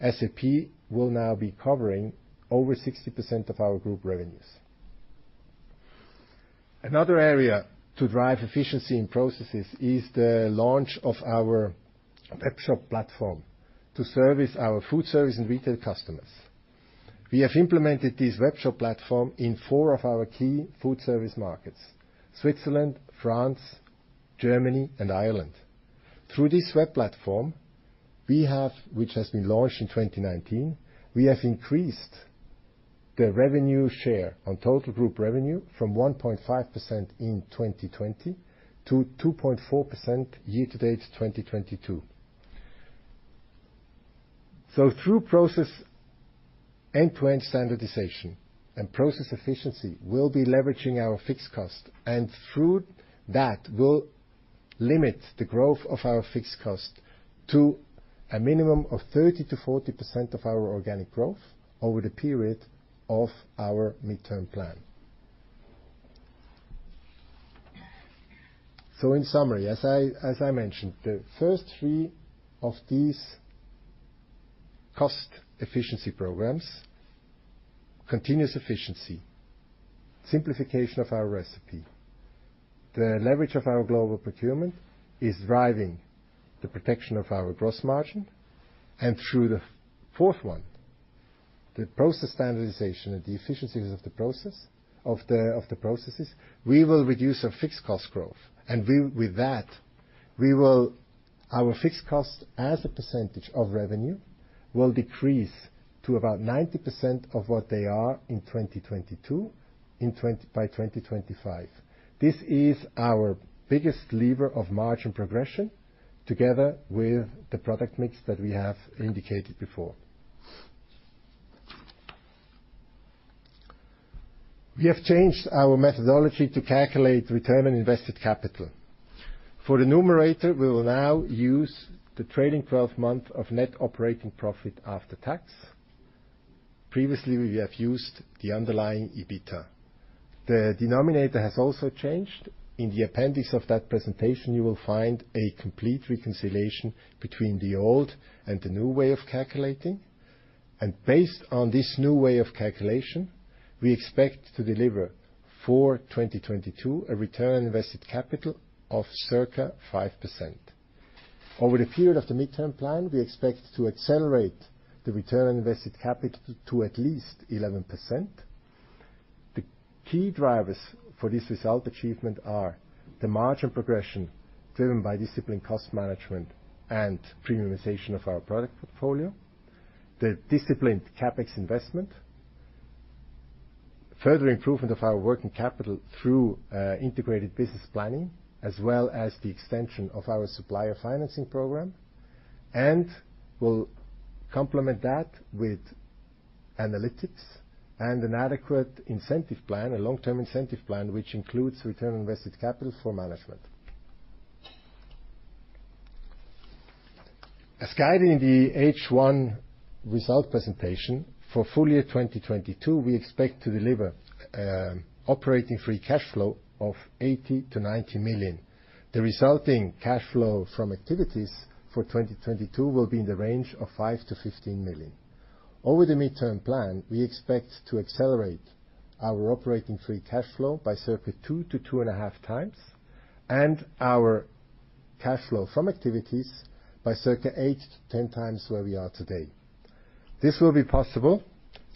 SAP will now be covering over 60% of our group revenues. Another area to drive efficiency in processes is the launch of our web shop platform to service our food service and retail customers. We have implemented this webshop platform in four of our key food service markets, Switzerland, France, Germany, and Ireland. Through this web platform, we have, which has been launched in 2019, we have increased the revenue share on total group revenue from 1.5% in 2020 to 2.4% year-to-date 2022. Through process end-to-end standardization and process efficiency, we'll be leveraging our fixed cost, and through that will limit the growth of our fixed cost to a minimum of 30%-40% of our organic growth over the period of our midterm plan. In summary, as I mentioned, the first three of these cost efficiency programs, continuous efficiency, simplification of our recipe, the leverage of our global procurement is driving the protection of our gross margin. Through the fourth one, the process standardization and the efficiencies of the processes, we will reduce our fixed cost growth. With that, our fixed costs as a percentage of revenue will decrease to about 90% of what they are in 2022 by 2025. This is our biggest lever of margin progression together with the product mix that we have indicated before. We have changed our methodology to calculate return on invested capital. For the numerator, we will now use the trailing twelve month of net operating profit after tax. Previously, we have used the underlying EBITDA. The denominator has also changed. In the appendix of that presentation, you will find a complete reconciliation between the old and the new way of calculating. Based on this new way of calculation, we expect to deliver for 2022 a return on invested capital of circa 5%. Over the period of the midterm plan, we expect to accelerate the return on invested capital to at least 11%. The key drivers for this result achievement are the margin progression driven by disciplined cost management and premiumization of our product portfolio, the disciplined CapEx investment, further improvement of our working capital through integrated business planning, as well as the extension of our supplier financing program. We'll complement that with analytics and an adequate incentive plan, a long-term incentive plan, which includes return on invested capital for management. As guided in the H1 result presentation for full year 2022, we expect to deliver operating free cash flow of 80 million-90 million. The resulting cash flow from activities for 2022 will be in the range of 5million -15 million. Over the midterm plan, we expect to accelerate our operating free cash flow by circa 2x-2.5x, and our cash flow from activities by circa 8x-10x where we are today. This will be possible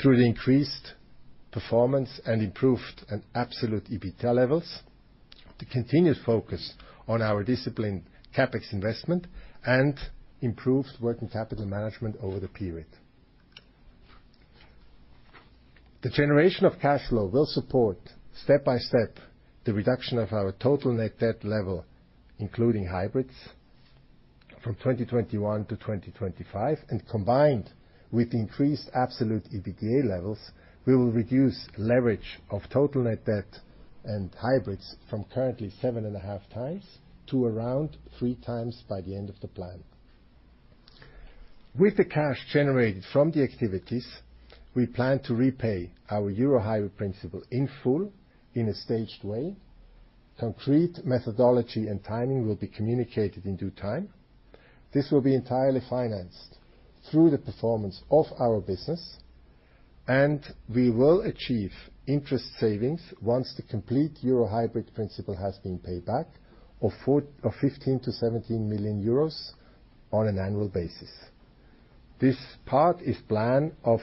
through the increased performance and improved and absolute EBITDA levels, the continued focus on our disciplined CapEx investment, and improved working capital management over the period. The generation of cash flow will support step by step the reduction of our total net debt level, including hybrids, from 2021 to 2025, and combined with increased absolute EBITDA levels, we will reduce leverage of total net debt and hybrids from currently 7.5x to around 3x by the end of the plan. With the cash generated from the activities, we plan to repay our euro hybrid principal in full in a staged way. Concrete methodology and timing will be communicated in due time. This will be entirely financed through the performance of our business, and we will achieve interest savings once the complete euro hybrid principal has been paid back of fifteen to seventeen million euros on an annual basis. This part is part of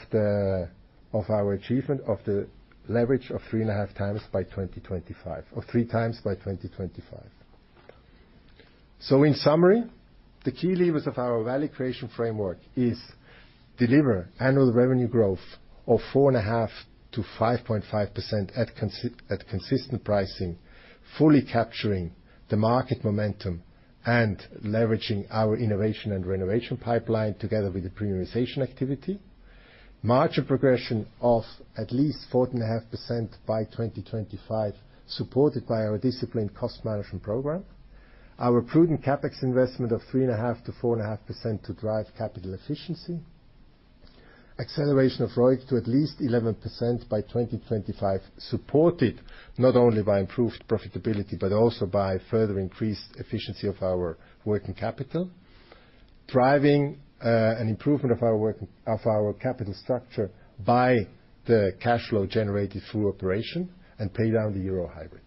our achievement of the leverage of 3.5x by 2025 or 3x by 2025. In summary, the key levers of our value creation framework is deliver annual revenue growth of 4.5%-5.5% at consistent pricing, fully capturing the market momentum and leveraging our innovation and renovation pipeline together with the premiumization activity. Margin progression of at least 4.5% by 2025, supported by our disciplined cost management program. Our prudent CapEx investment of 3.5%-4.5% to drive capital efficiency. Acceleration of ROIC to at least 11% by 2025, supported not only by improved profitability, but also by further increased efficiency of our working capital. Driving an improvement of our capital structure by the cash flow generated through operation and pay down the euro hybrid.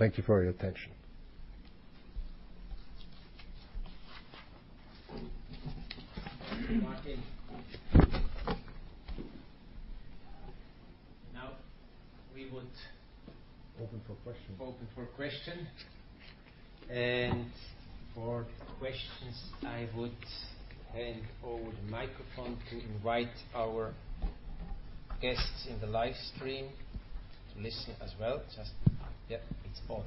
Thank you for your attention. Thank you, Martin. Now we would. Open for questions. Open for question. For questions, I would hand over the microphone to invite our guests in the live stream to listen as well. Just yeah, it's on.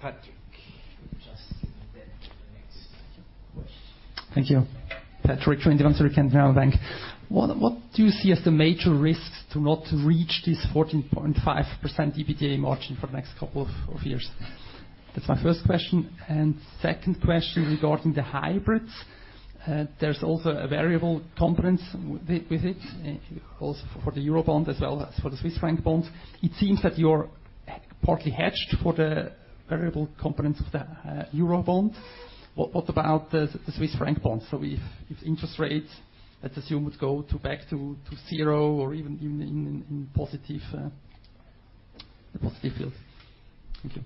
Patrick, just the next question. Thank you. Patrick Schwendimann, Zürcher Kantonalbank. What do you see as the major risks to not reach this 14.5% EBITDA margin for the next couple of years? That's my first question. Second question regarding the hybrids. There's also a variable components with it, also for the Eurobond as well as for the Swiss franc bonds. It seems that you're partly hedged for the variable components of the Eurobond. What about the Swiss franc bonds? If interest rates, let's assume, would go back to zero or even in positive yields. Thank you.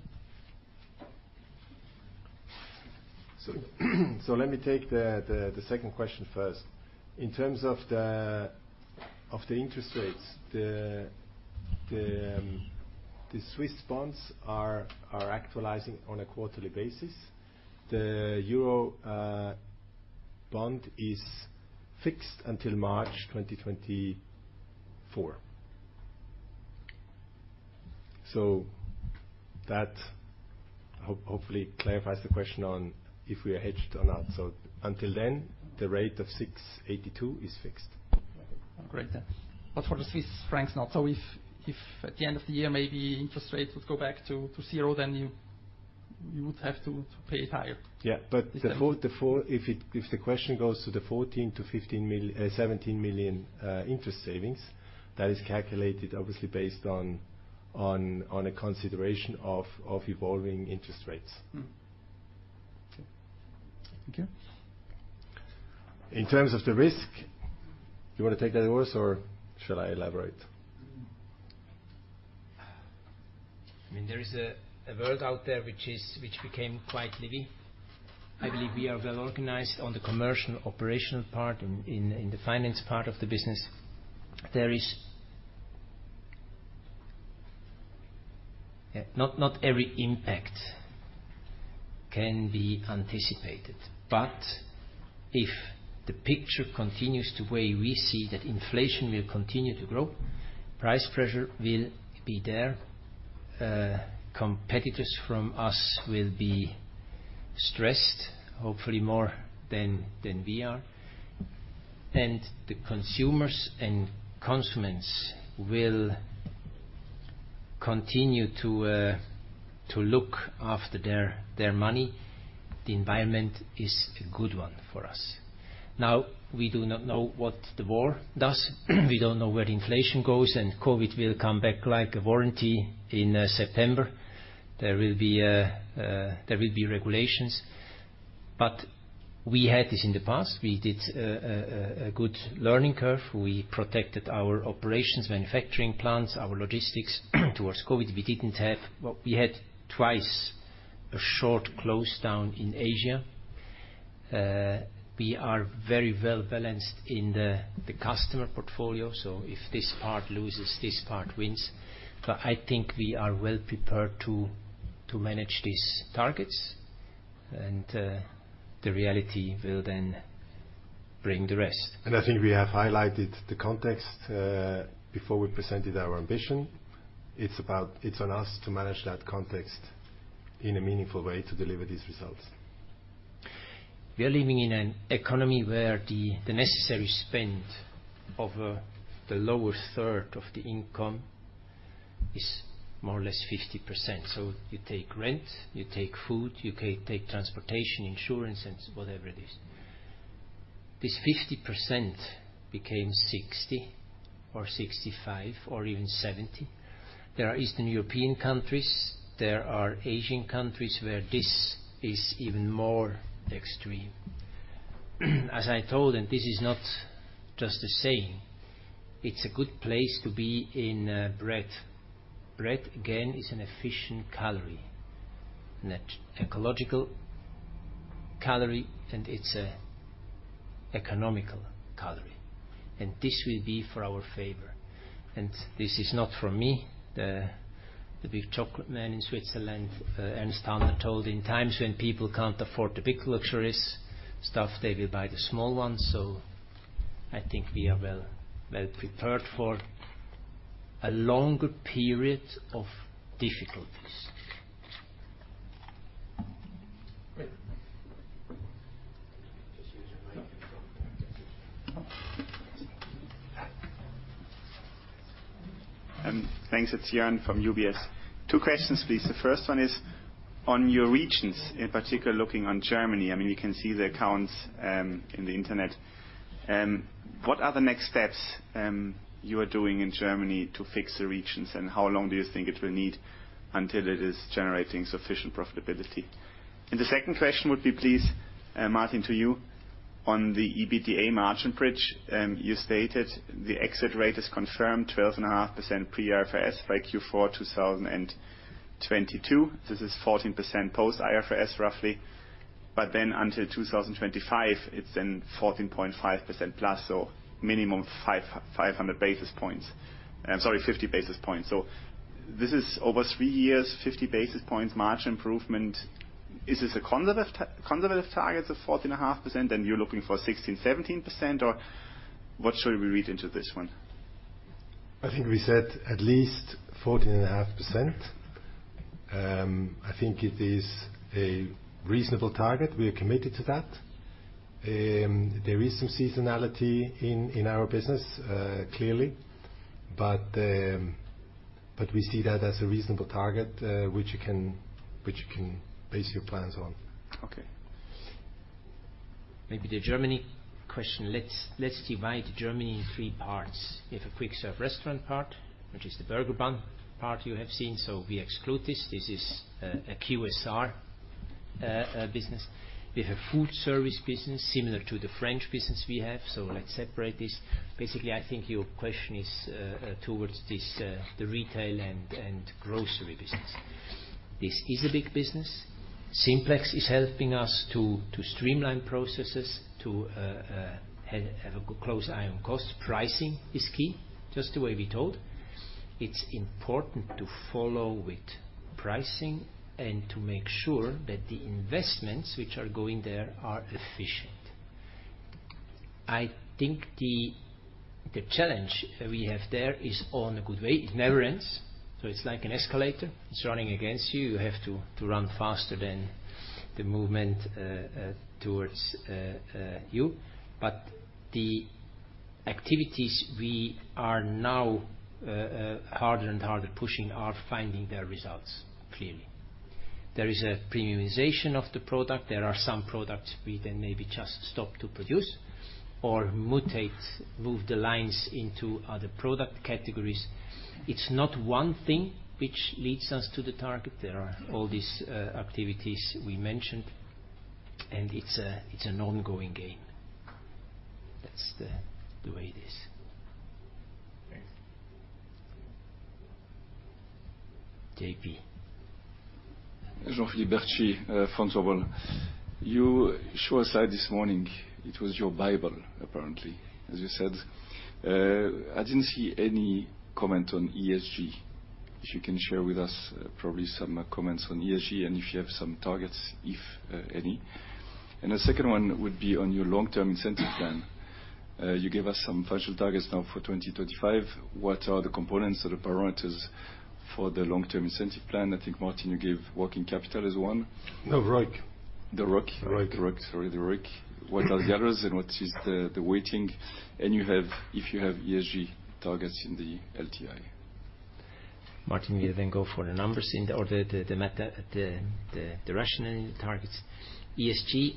Let me take the second question first. In terms of the interest rates, the Swiss bonds are accruing on a quarterly basis. The Euro bond is fixed until March 2024. That hopefully clarifies the question on if we are hedged or not. Until then, the rate of 6.82% is fixed. Great then. For the Swiss francs, not. If at the end of the year, maybe interest rates would go back to zero, then you would have to pay it higher. If the question goes to the 14-15, 17 million interest savings, that is calculated obviously based on a consideration of evolving interest rates. Mm-hmm. Okay. In terms of the risk, do you wanna take that first, or shall I elaborate? I mean, there is a world out there which became quite lively. I believe we are well organized on the commercial operational part, in the finance part of the business. Not every impact can be anticipated. If the picture continues the way we see that inflation will continue to grow, price pressure will be there. Our competitors will be stressed, hopefully more than we are. The consumers and customers will continue to look after their money. The environment is a good one for us. Now, we do not know what the war does. We don't know where inflation goes, and COVID will come back like a boomerang in September. There will be regulations. We had this in the past. We did a good learning curve. We protected our operations, manufacturing plants, our logistics towards COVID. Well, we had twice a short close down in Asia. We are very well balanced in the customer portfolio. If this part loses, this part wins. I think we are well prepared to manage these targets, and the reality will then bring the rest. I think we have highlighted the context before we presented our ambition. It's on us to manage that context in a meaningful way to deliver these results. We are living in an economy where the necessary spend over the lower third of the income is more or less 50%. You take rent, you take food, you take transportation, insurance, and whatever it is. This 50% became 60% or 65% or even 70%. There are Eastern European countries, there are Asian countries where this is even more extreme. As I told, and this is not just a saying, it's a good place to be in bread. Bread, again, is an efficient calorie, an ecological calorie, and it's a economical calorie. This will be for our favor. This is not from me. The big chocolate man in Switzerland, Ernst Tanner told in times when people can't afford the big luxurious stuff, they will buy the small ones. I think we are well prepared for a longer period of difficulties. Great. Just use your microphone. Thanks. It's Joern from UBS. Two questions, please. The first one is on your regions, in particular, looking at Germany. I mean, we can see the accounts on the internet. What are the next steps you are doing in Germany to fix the regions, and how long do you think it will need until it is generating sufficient profitability? The second question would be, please, Martin, to you. On the EBITDA margin bridge, you stated the exit rate is confirmed 12.5% pre-IFRS by Q4 2022. This is 14% post IFRS, roughly. Then until 2025, it's then 14.5%+, so minimum 500 basis points. Sorry, 50 basis points. This is over three years, 50 basis points margin improvement. Is this a conservative target of 14.5%, and you're looking for 16%, 17%, or what should we read into this one? I think we said at least 14.5%. I think it is a reasonable target. We are committed to that. There is some seasonality in our business, clearly. We see that as a reasonable target, which you can base your plans on. Okay. Maybe the Germany question. Let's divide Germany in three parts. You have a quick serve restaurant part, which is the burger bun part you have seen. So we exclude this. This is a QSR business. We have a food service business similar to the French business we have. So let's separate this. Basically, I think your question is towards this, the retail and grocery business. This is a big business. Simplex is helping us to streamline processes to have a close eye on costs. Pricing is key, just the way we told. It's important to follow with pricing and to make sure that the investments which are going there are efficient. I think the challenge we have there is on a good way. It never ends, so it's like an escalator. It's running against you. You have to run faster than the movement towards you. The activities we are now harder and harder pushing are finding their results clearly. There is a premiumization of the product. There are some products we then maybe just stop to produce or mutate, move the lines into other product categories. It's not one thing which leads us to the target. There are all these activities we mentioned, and it's an ongoing game. That's the way it is. Thanks. JP. Jean-Philippe Bertschy from Vontobel. You show a slide this morning. It was your Bible, apparently, as you said. I didn't see any comment on ESG. If you can share with us probably some comments on ESG and if you have some targets, if any. The second one would be on your long-term incentive plan. You gave us some financial targets now for 2025. What are the components or the parameters for the long-term incentive plan? I think, Martin, you gave working capital as one. No, ROIC. The ROIC. ROIC. ROIC. Sorry, the ROIC. What are the others and what is the weighting? Do you have ESG targets in the LTI? Martin will then go for the numbers and/or the medium-term rationale targets. ESG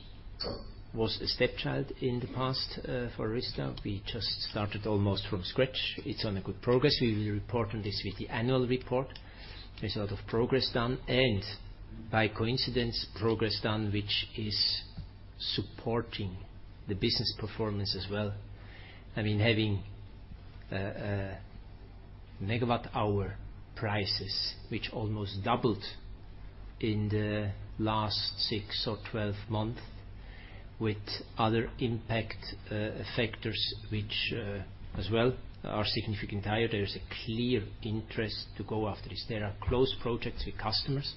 was a stepchild in the past for ARYZTA. We just started almost from scratch. It's on a good progress. We will report on this with the annual report. There's a lot of progress done and by coincidence progress done which is supporting the business performance as well. I mean, having megawatt-hour prices which almost doubled in the last six or 12 months with other impact factors which as well are significantly higher. There is a clear interest to go after this. There are close projects with customers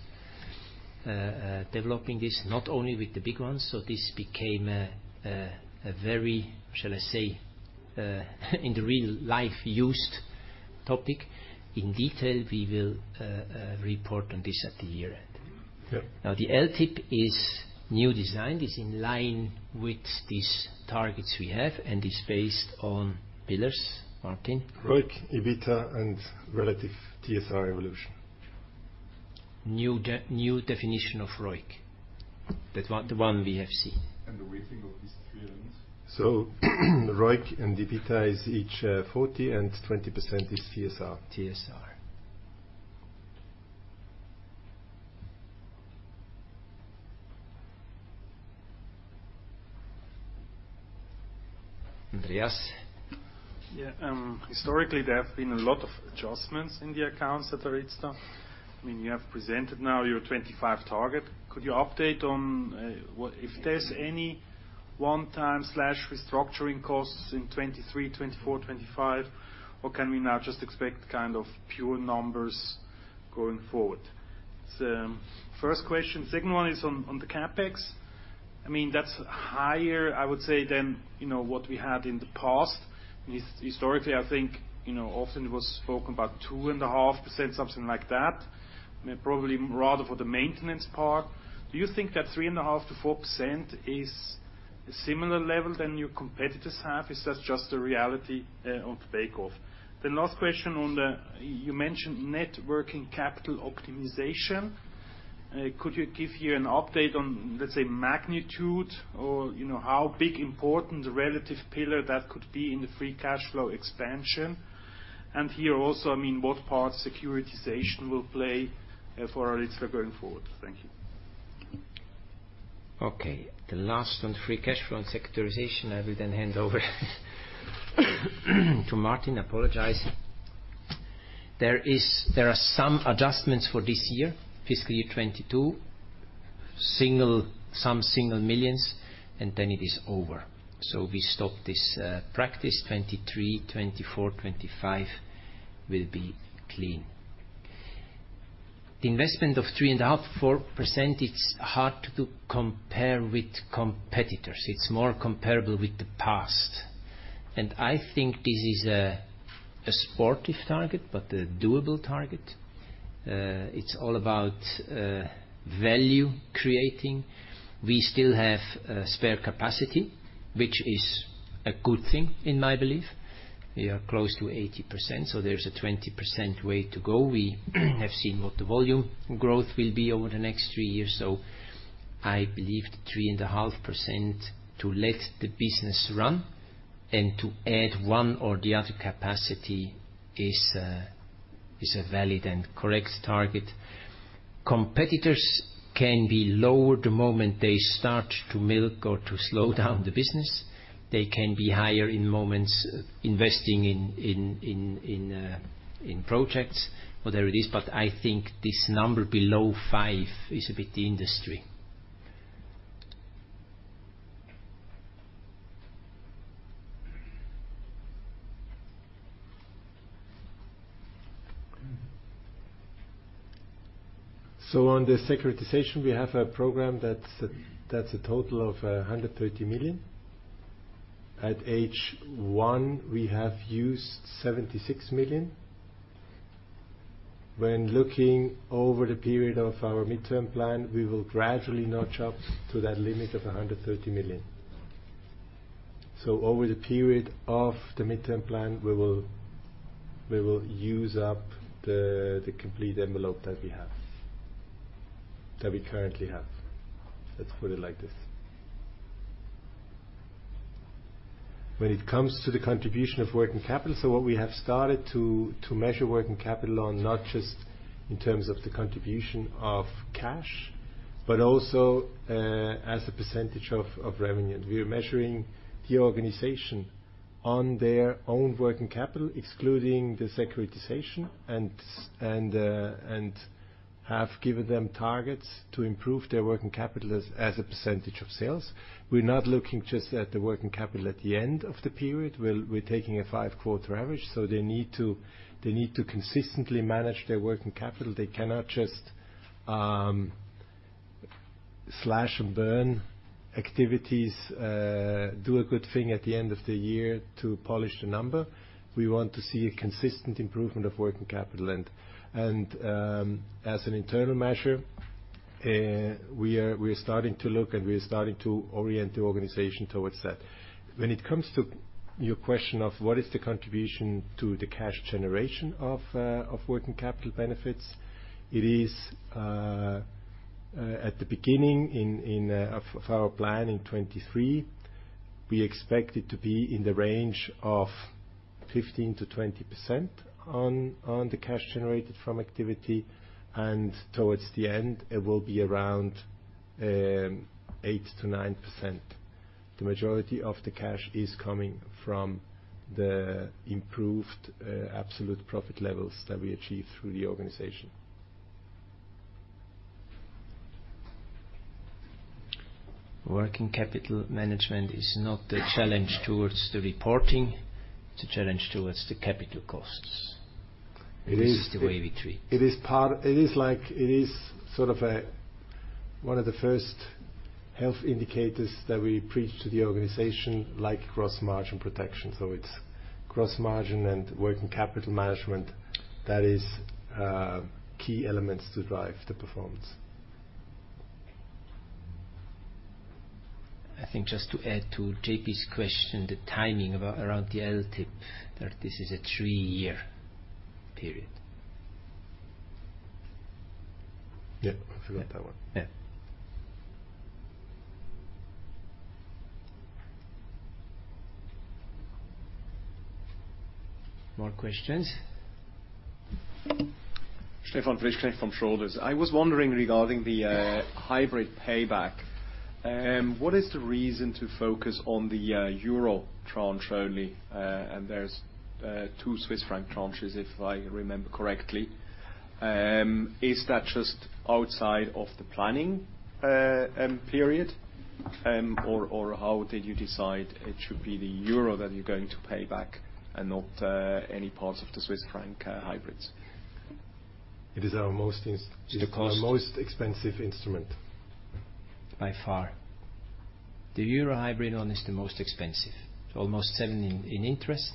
developing this, not only with the big ones. This became a very, shall I say, in the real-life used topic. In detail, we will report on this at the year-end. Yeah. Now, the LTIP is new designed. It's in line with these targets we have and is based on pillars. Martin? ROIC, EBITDA and relative TSR evolution. New definition of ROIC. The one we have seen. The weighting of these three elements? ROIC and EBITDA is each 40% and 20% is TSR. TSR. Andreas. Yeah. Historically, there have been a lot of adjustments in the accounts at ARYZTA. I mean, you have presented now your 25 target. Could you update on what if there's any one-time/restructuring costs in 2023, 2024, 2025, or can we now just expect kind of pure numbers going forward? First question. Second one is on the CapEx. I mean, that's higher, I would say, than, you know, what we had in the past. Historically, I think, you know, often it was spoken about 2.5%, something like that, probably rather for the maintenance part. Do you think that 3.5%-4% is a similar level than your competitors have? Is that just the reality of the bake-off? The last question. You mentioned net working capital optimization. Could you give here an update on, let's say, magnitude or, you know, how big, important relative pillar that could be in the free cash flow expansion? Here also, I mean, what part securitization will play for ARYZTA going forward? Thank you. Okay. The last one on free cash flow and securitization, I will then hand over to Martin. Apologies. There are some adjustments for this year, fiscal year 2022. Some single millions, and then it is over. We stop this practice. 2023, 2024, 2025 will be clean. The investment of 3.5%-4%, it's hard to compare with competitors. It's more comparable with the past. I think this is a sporty target, but a doable target. It's all about value creating. We still have spare capacity, which is a good thing, in my belief. We are close to 80%, so there's a 20% way to go. We have seen what the volume growth will be over the next three years. I believe 3.5% to let the business run and to add one or the other capacity is a valid and correct target. Competitors can be lower the moment they start to milk or to slow down the business. They can be higher in moments investing in projects or there it is. I think this number below 5% is a bit the industry. On the securitization, we have a program that's a total of 130 million. At year one, we have used 76 million. When looking over the period of our midterm plan, we will gradually notch up to that limit of 130 million. Over the period of the midterm plan, we will use up the complete envelope that we have, that we currently have. Let's put it like this. When it comes to the contribution of working capital, what we have started to measure working capital on not just in terms of the contribution of cash, but also as a percentage of revenue. We are measuring the organization on their own working capital, excluding the securitization, and have given them targets to improve their working capital as a percentage of sales. We're not looking just at the working capital at the end of the period. We're taking a five-quarter average. They need to consistently manage their working capital. They cannot just slash and burn activities, do a good thing at the end of the year to polish the number. We want to see a consistent improvement of working capital and, as an internal measure, we are starting to look, and we are starting to orient the organization towards that. When it comes to your question of what is the contribution to the cash generation of working capital benefits, it is at the beginning of our plan in 2023, we expect it to be in the range of 15%-20% on the cash generated from activity. Towards the end, it will be around 8%-9%. The majority of the cash is coming from the improved absolute profit levels that we achieve through the organization. Working capital management is not the challenge towards the reporting, it's a challenge towards the capital costs. This is the way we treat. It is like, it is sort of a, one of the first health indicators that we preach to the organization, like gross margin protection. It's gross margin and working capital management that is, key elements to drive the performance. I think just to add to JP's question, the timing around the LTIP, that this is a three-year period. Yeah. I forgot that one. Yeah. More questions? Stefan Frischknecht from Schroders. I was wondering regarding the hybrid payback, what is the reason to focus on the euro tranche only? There's two Swiss franc tranches, if I remember correctly. Is that just outside of the planning period? How did you decide it should be the euro that you're going to pay back and not any parts of the Swiss franc hybrids? It is our most. It's the cost. Our most expensive instrument. By far. The euro hybrid one is the most expensive. Almost 7% interest.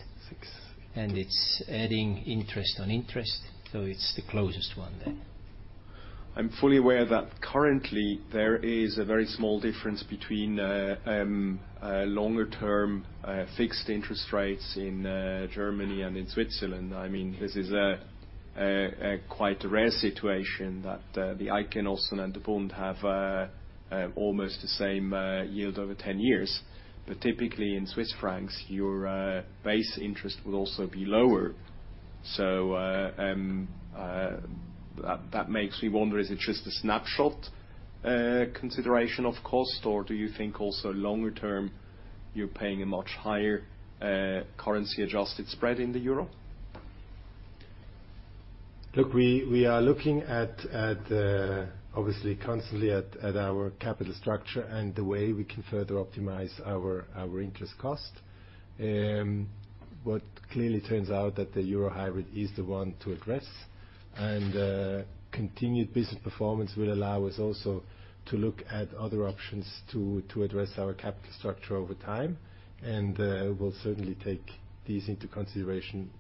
Six. It's adding interest on interest. It's the closest one then. I'm fully aware that currently there is a very small difference between longer-term fixed interest rates in Germany and in Switzerland. I mean, this is a quite rare situation that the Eidgenossen and the Bund have almost the same yield over 10 years. Typically in Swiss francs, your base interest will also be lower. That makes me wonder, is it just a snapshot consideration of cost, or do you think also longer term you're paying a much higher currency-adjusted spread in the euro? Look, we are looking obviously constantly at our capital structure and the way we can further optimize our interest cost. What clearly turns out that the euro hybrid is the one to address. Continued business performance will allow us also to look at other options to address our capital structure over time. We'll certainly take these into consideration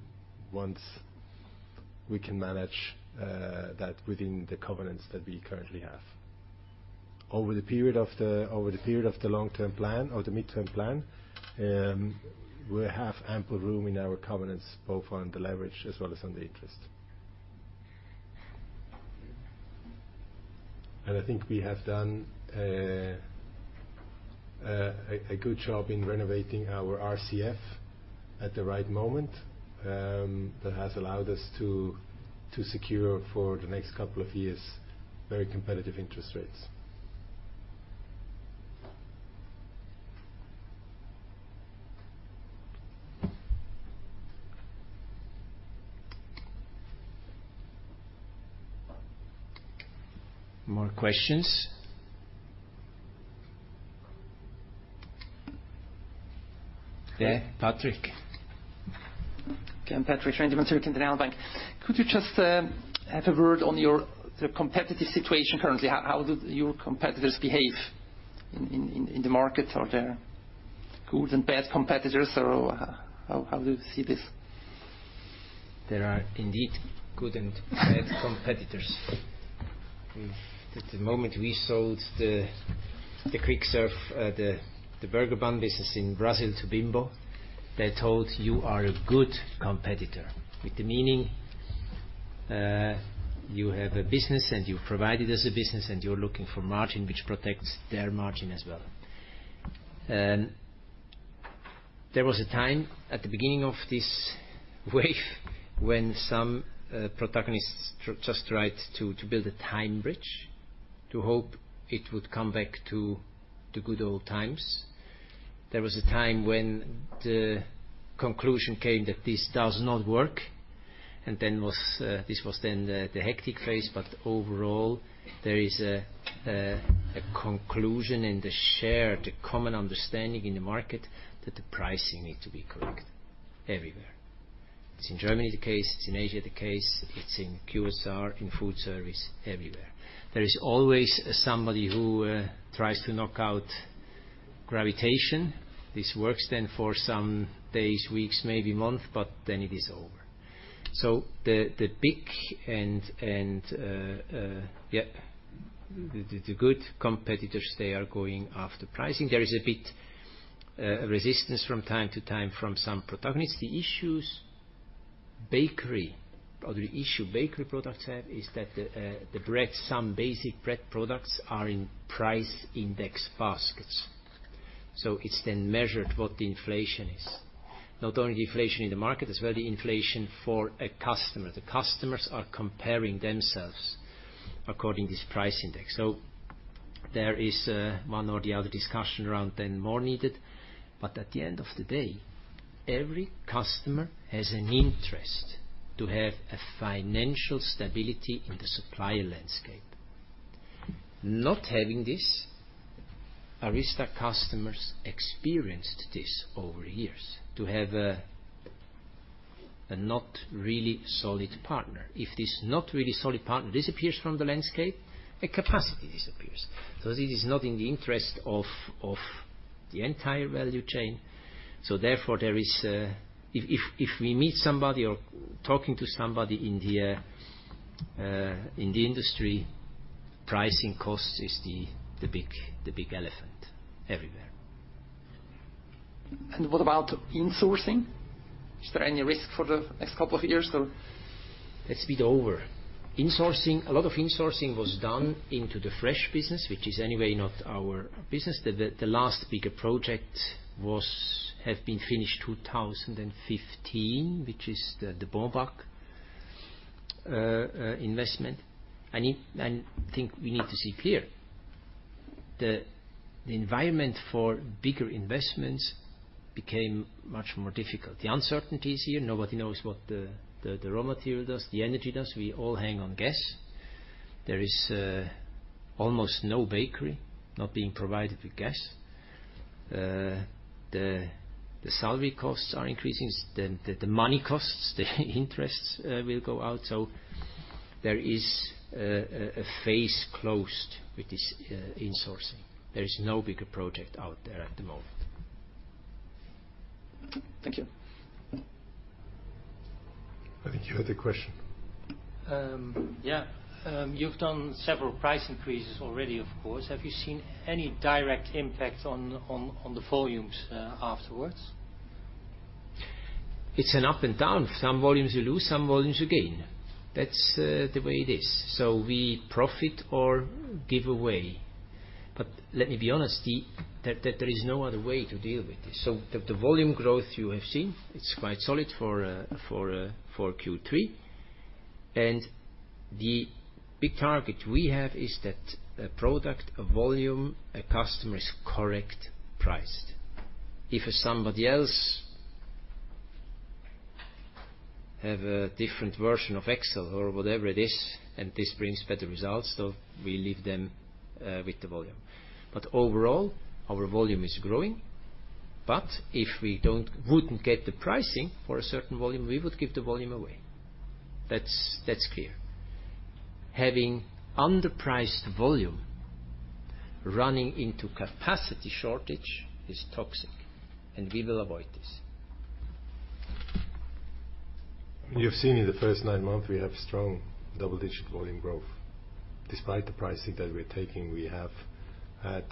once we can manage that within the covenants that we currently have. Over the period of the long-term plan or the midterm plan, we have ample room in our covenants, both on the leverage as well as on the interest. I think we have done a good job in renovating our RCF at the right moment. That has allowed us to secure for the next couple of years very competitive interest rates. More questions? Yeah, Patrick. Okay. I'm Patrik Schwendimann, Zürcher Kantonalbank. Could you just have a word on the competitive situation currently? How do your competitors behave in the market? Are there good and bad competitors, or how do you see this? There are indeed good and bad competitors. At the moment we sold the quick service burger bun business in Brazil to Bimbo. They told you are a good competitor, with the meaning, you have a business and you provided us a business and you're looking for margin, which protects their margin as well. There was a time at the beginning of this wave when some protagonists just tried to build a time bridge to hope it would come back to the good old times. There was a time when the conclusion came that this does not work, and then this was the hectic phase. Overall, there is a conclusion and a shared common understanding in the market that the pricing needs to be correct everywhere. It's in Germany the case, it's in Asia the case, it's in QSR, in food service, everywhere. There is always somebody who tries to knock out gravity. This works then for some days, weeks, maybe month, but then it is over. The big and the good competitors, they are going after pricing. There is a bit resistance from time to time from some protagonists. The industrial bakery or the issue bakery products have is that the bread, some basic bread products are in price index baskets. It's then measured what the inflation is. Not only the inflation in the market as well, the inflation for a customer. The customers are comparing themselves according to this price index. There is one or the other discussion around then more needed. At the end of the day, every customer has an interest to have a financial stability in the supplier landscape. Not having this, ARYZTA customers experienced this over years, to have a not really solid partner. If this not really solid partner disappears from the landscape, a capacity disappears 'cause it is not in the interest of the entire value chain. There is if we meet somebody or talking to somebody in the industry, pricing costs is the big elephant everywhere. What about insourcing? Is there any risk for the next couple of years, or? That's a bit over. Insourcing, a lot of insourcing was done into the fresh business, which is anyway not our business. The last bigger project have been finished 2015, which is the Bonback investment. I think we need to see clear. The environment for bigger investments became much more difficult. The uncertainty is here. Nobody knows what the raw material does, the energy does. We all hang on gas. There is almost no bakery not being provided with gas. The salary costs are increasing. The money costs, the interests will go out. There is a phase closed with this insourcing. There is no bigger project out there at the moment. Thank you. I think you had a question. Yeah. You've done several price increases already, of course. Have you seen any direct impact on the volumes afterwards? It's an up and down. Some volumes you lose, some volumes you gain. That's the way it is. We profit or give away. Let me be honest, that there is no other way to deal with this. The volume growth you have seen, it's quite solid for Q3. The big target we have is that a product, a volume, a customer is correct priced. If somebody else have a different version of Excel or whatever it is, and this brings better results, so we leave them with the volume. Overall, our volume is growing. If we wouldn't get the pricing for a certain volume, we would give the volume away. That's clear. Having underpriced volume running into capacity shortage is toxic, and we will avoid this. You've seen in the first nine months, we have strong double-digit volume growth. Despite the pricing that we're taking, we have had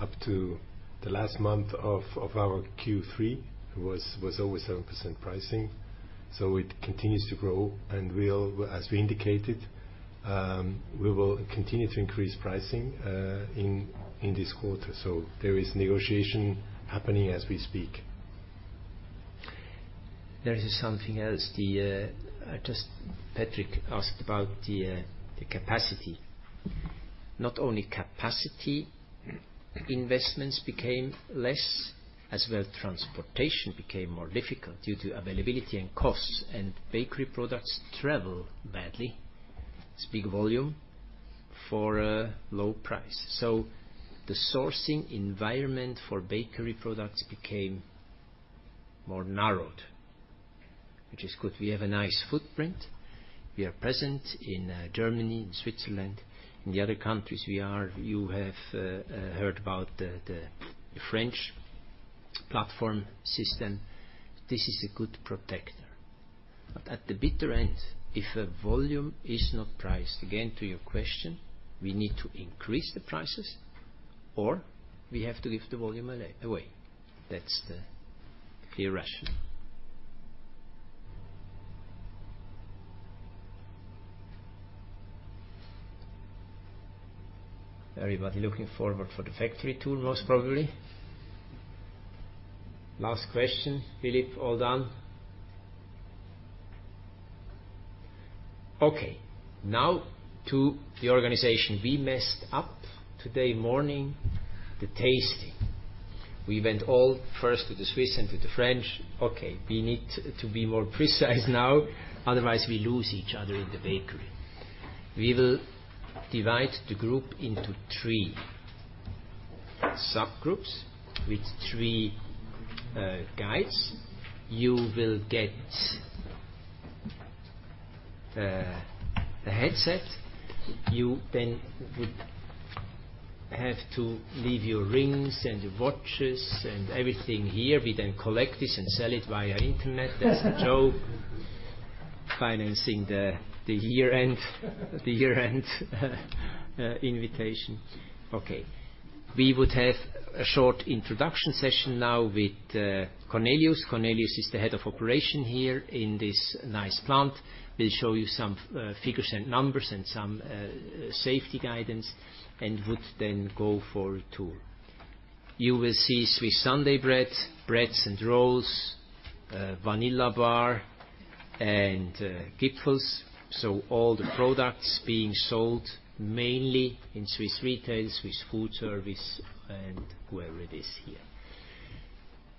up to the last month of our Q3 was over 7% pricing. It continues to grow, and as we indicated, we will continue to increase pricing in this quarter. There is negotiation happening as we speak. There is something else. Just Patrick asked about the capacity. Not only capacity investments became less, as well, transportation became more difficult due to availability and costs, and bakery products travel badly. It's big volume for a low price. The sourcing environment for bakery products became more narrowed, which is good. We have a nice footprint. We are present in Germany and Switzerland. In the other countries, we are. You have heard about the French platform system. This is a good protector. At the bitter end, if a volume is not priced, again, to your question, we need to increase the prices or we have to give the volume away. That's the clear rationale. Everybody looking forward for the factory tour, most probably. Last question. Philippe, all done? Okay, now to the organization. We messed up today morning, the tasting. We went all first to the Swiss and to the French. Okay, we need to be more precise now, otherwise we lose each other in the bakery. We will divide the group into three subgroups with three guides. You will get a headset. You then would have to leave your rings and your watches and everything here. We then collect this and sell it via internet. That's a joke. Financing the year-end invitation. Okay. We would have a short introduction session now with Cornelius. Cornelius is the head of operation here in this nice plant. We'll show you some figures and numbers and some safety guidance, and would then go for a tour. You will see Swiss Sunday bread, breads and rolls, vanilla bar, and Gipfeli. All the products being sold mainly in Swiss retail, Swiss food service, and wherever it is here.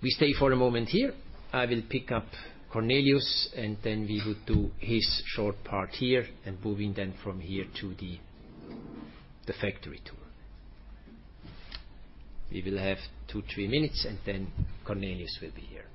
We stay for a moment here. I will pick up Cornelius, and then we would do his short part here, and moving then from here to the factory tour. We will have two, three minutes, and then Cornelius will be here.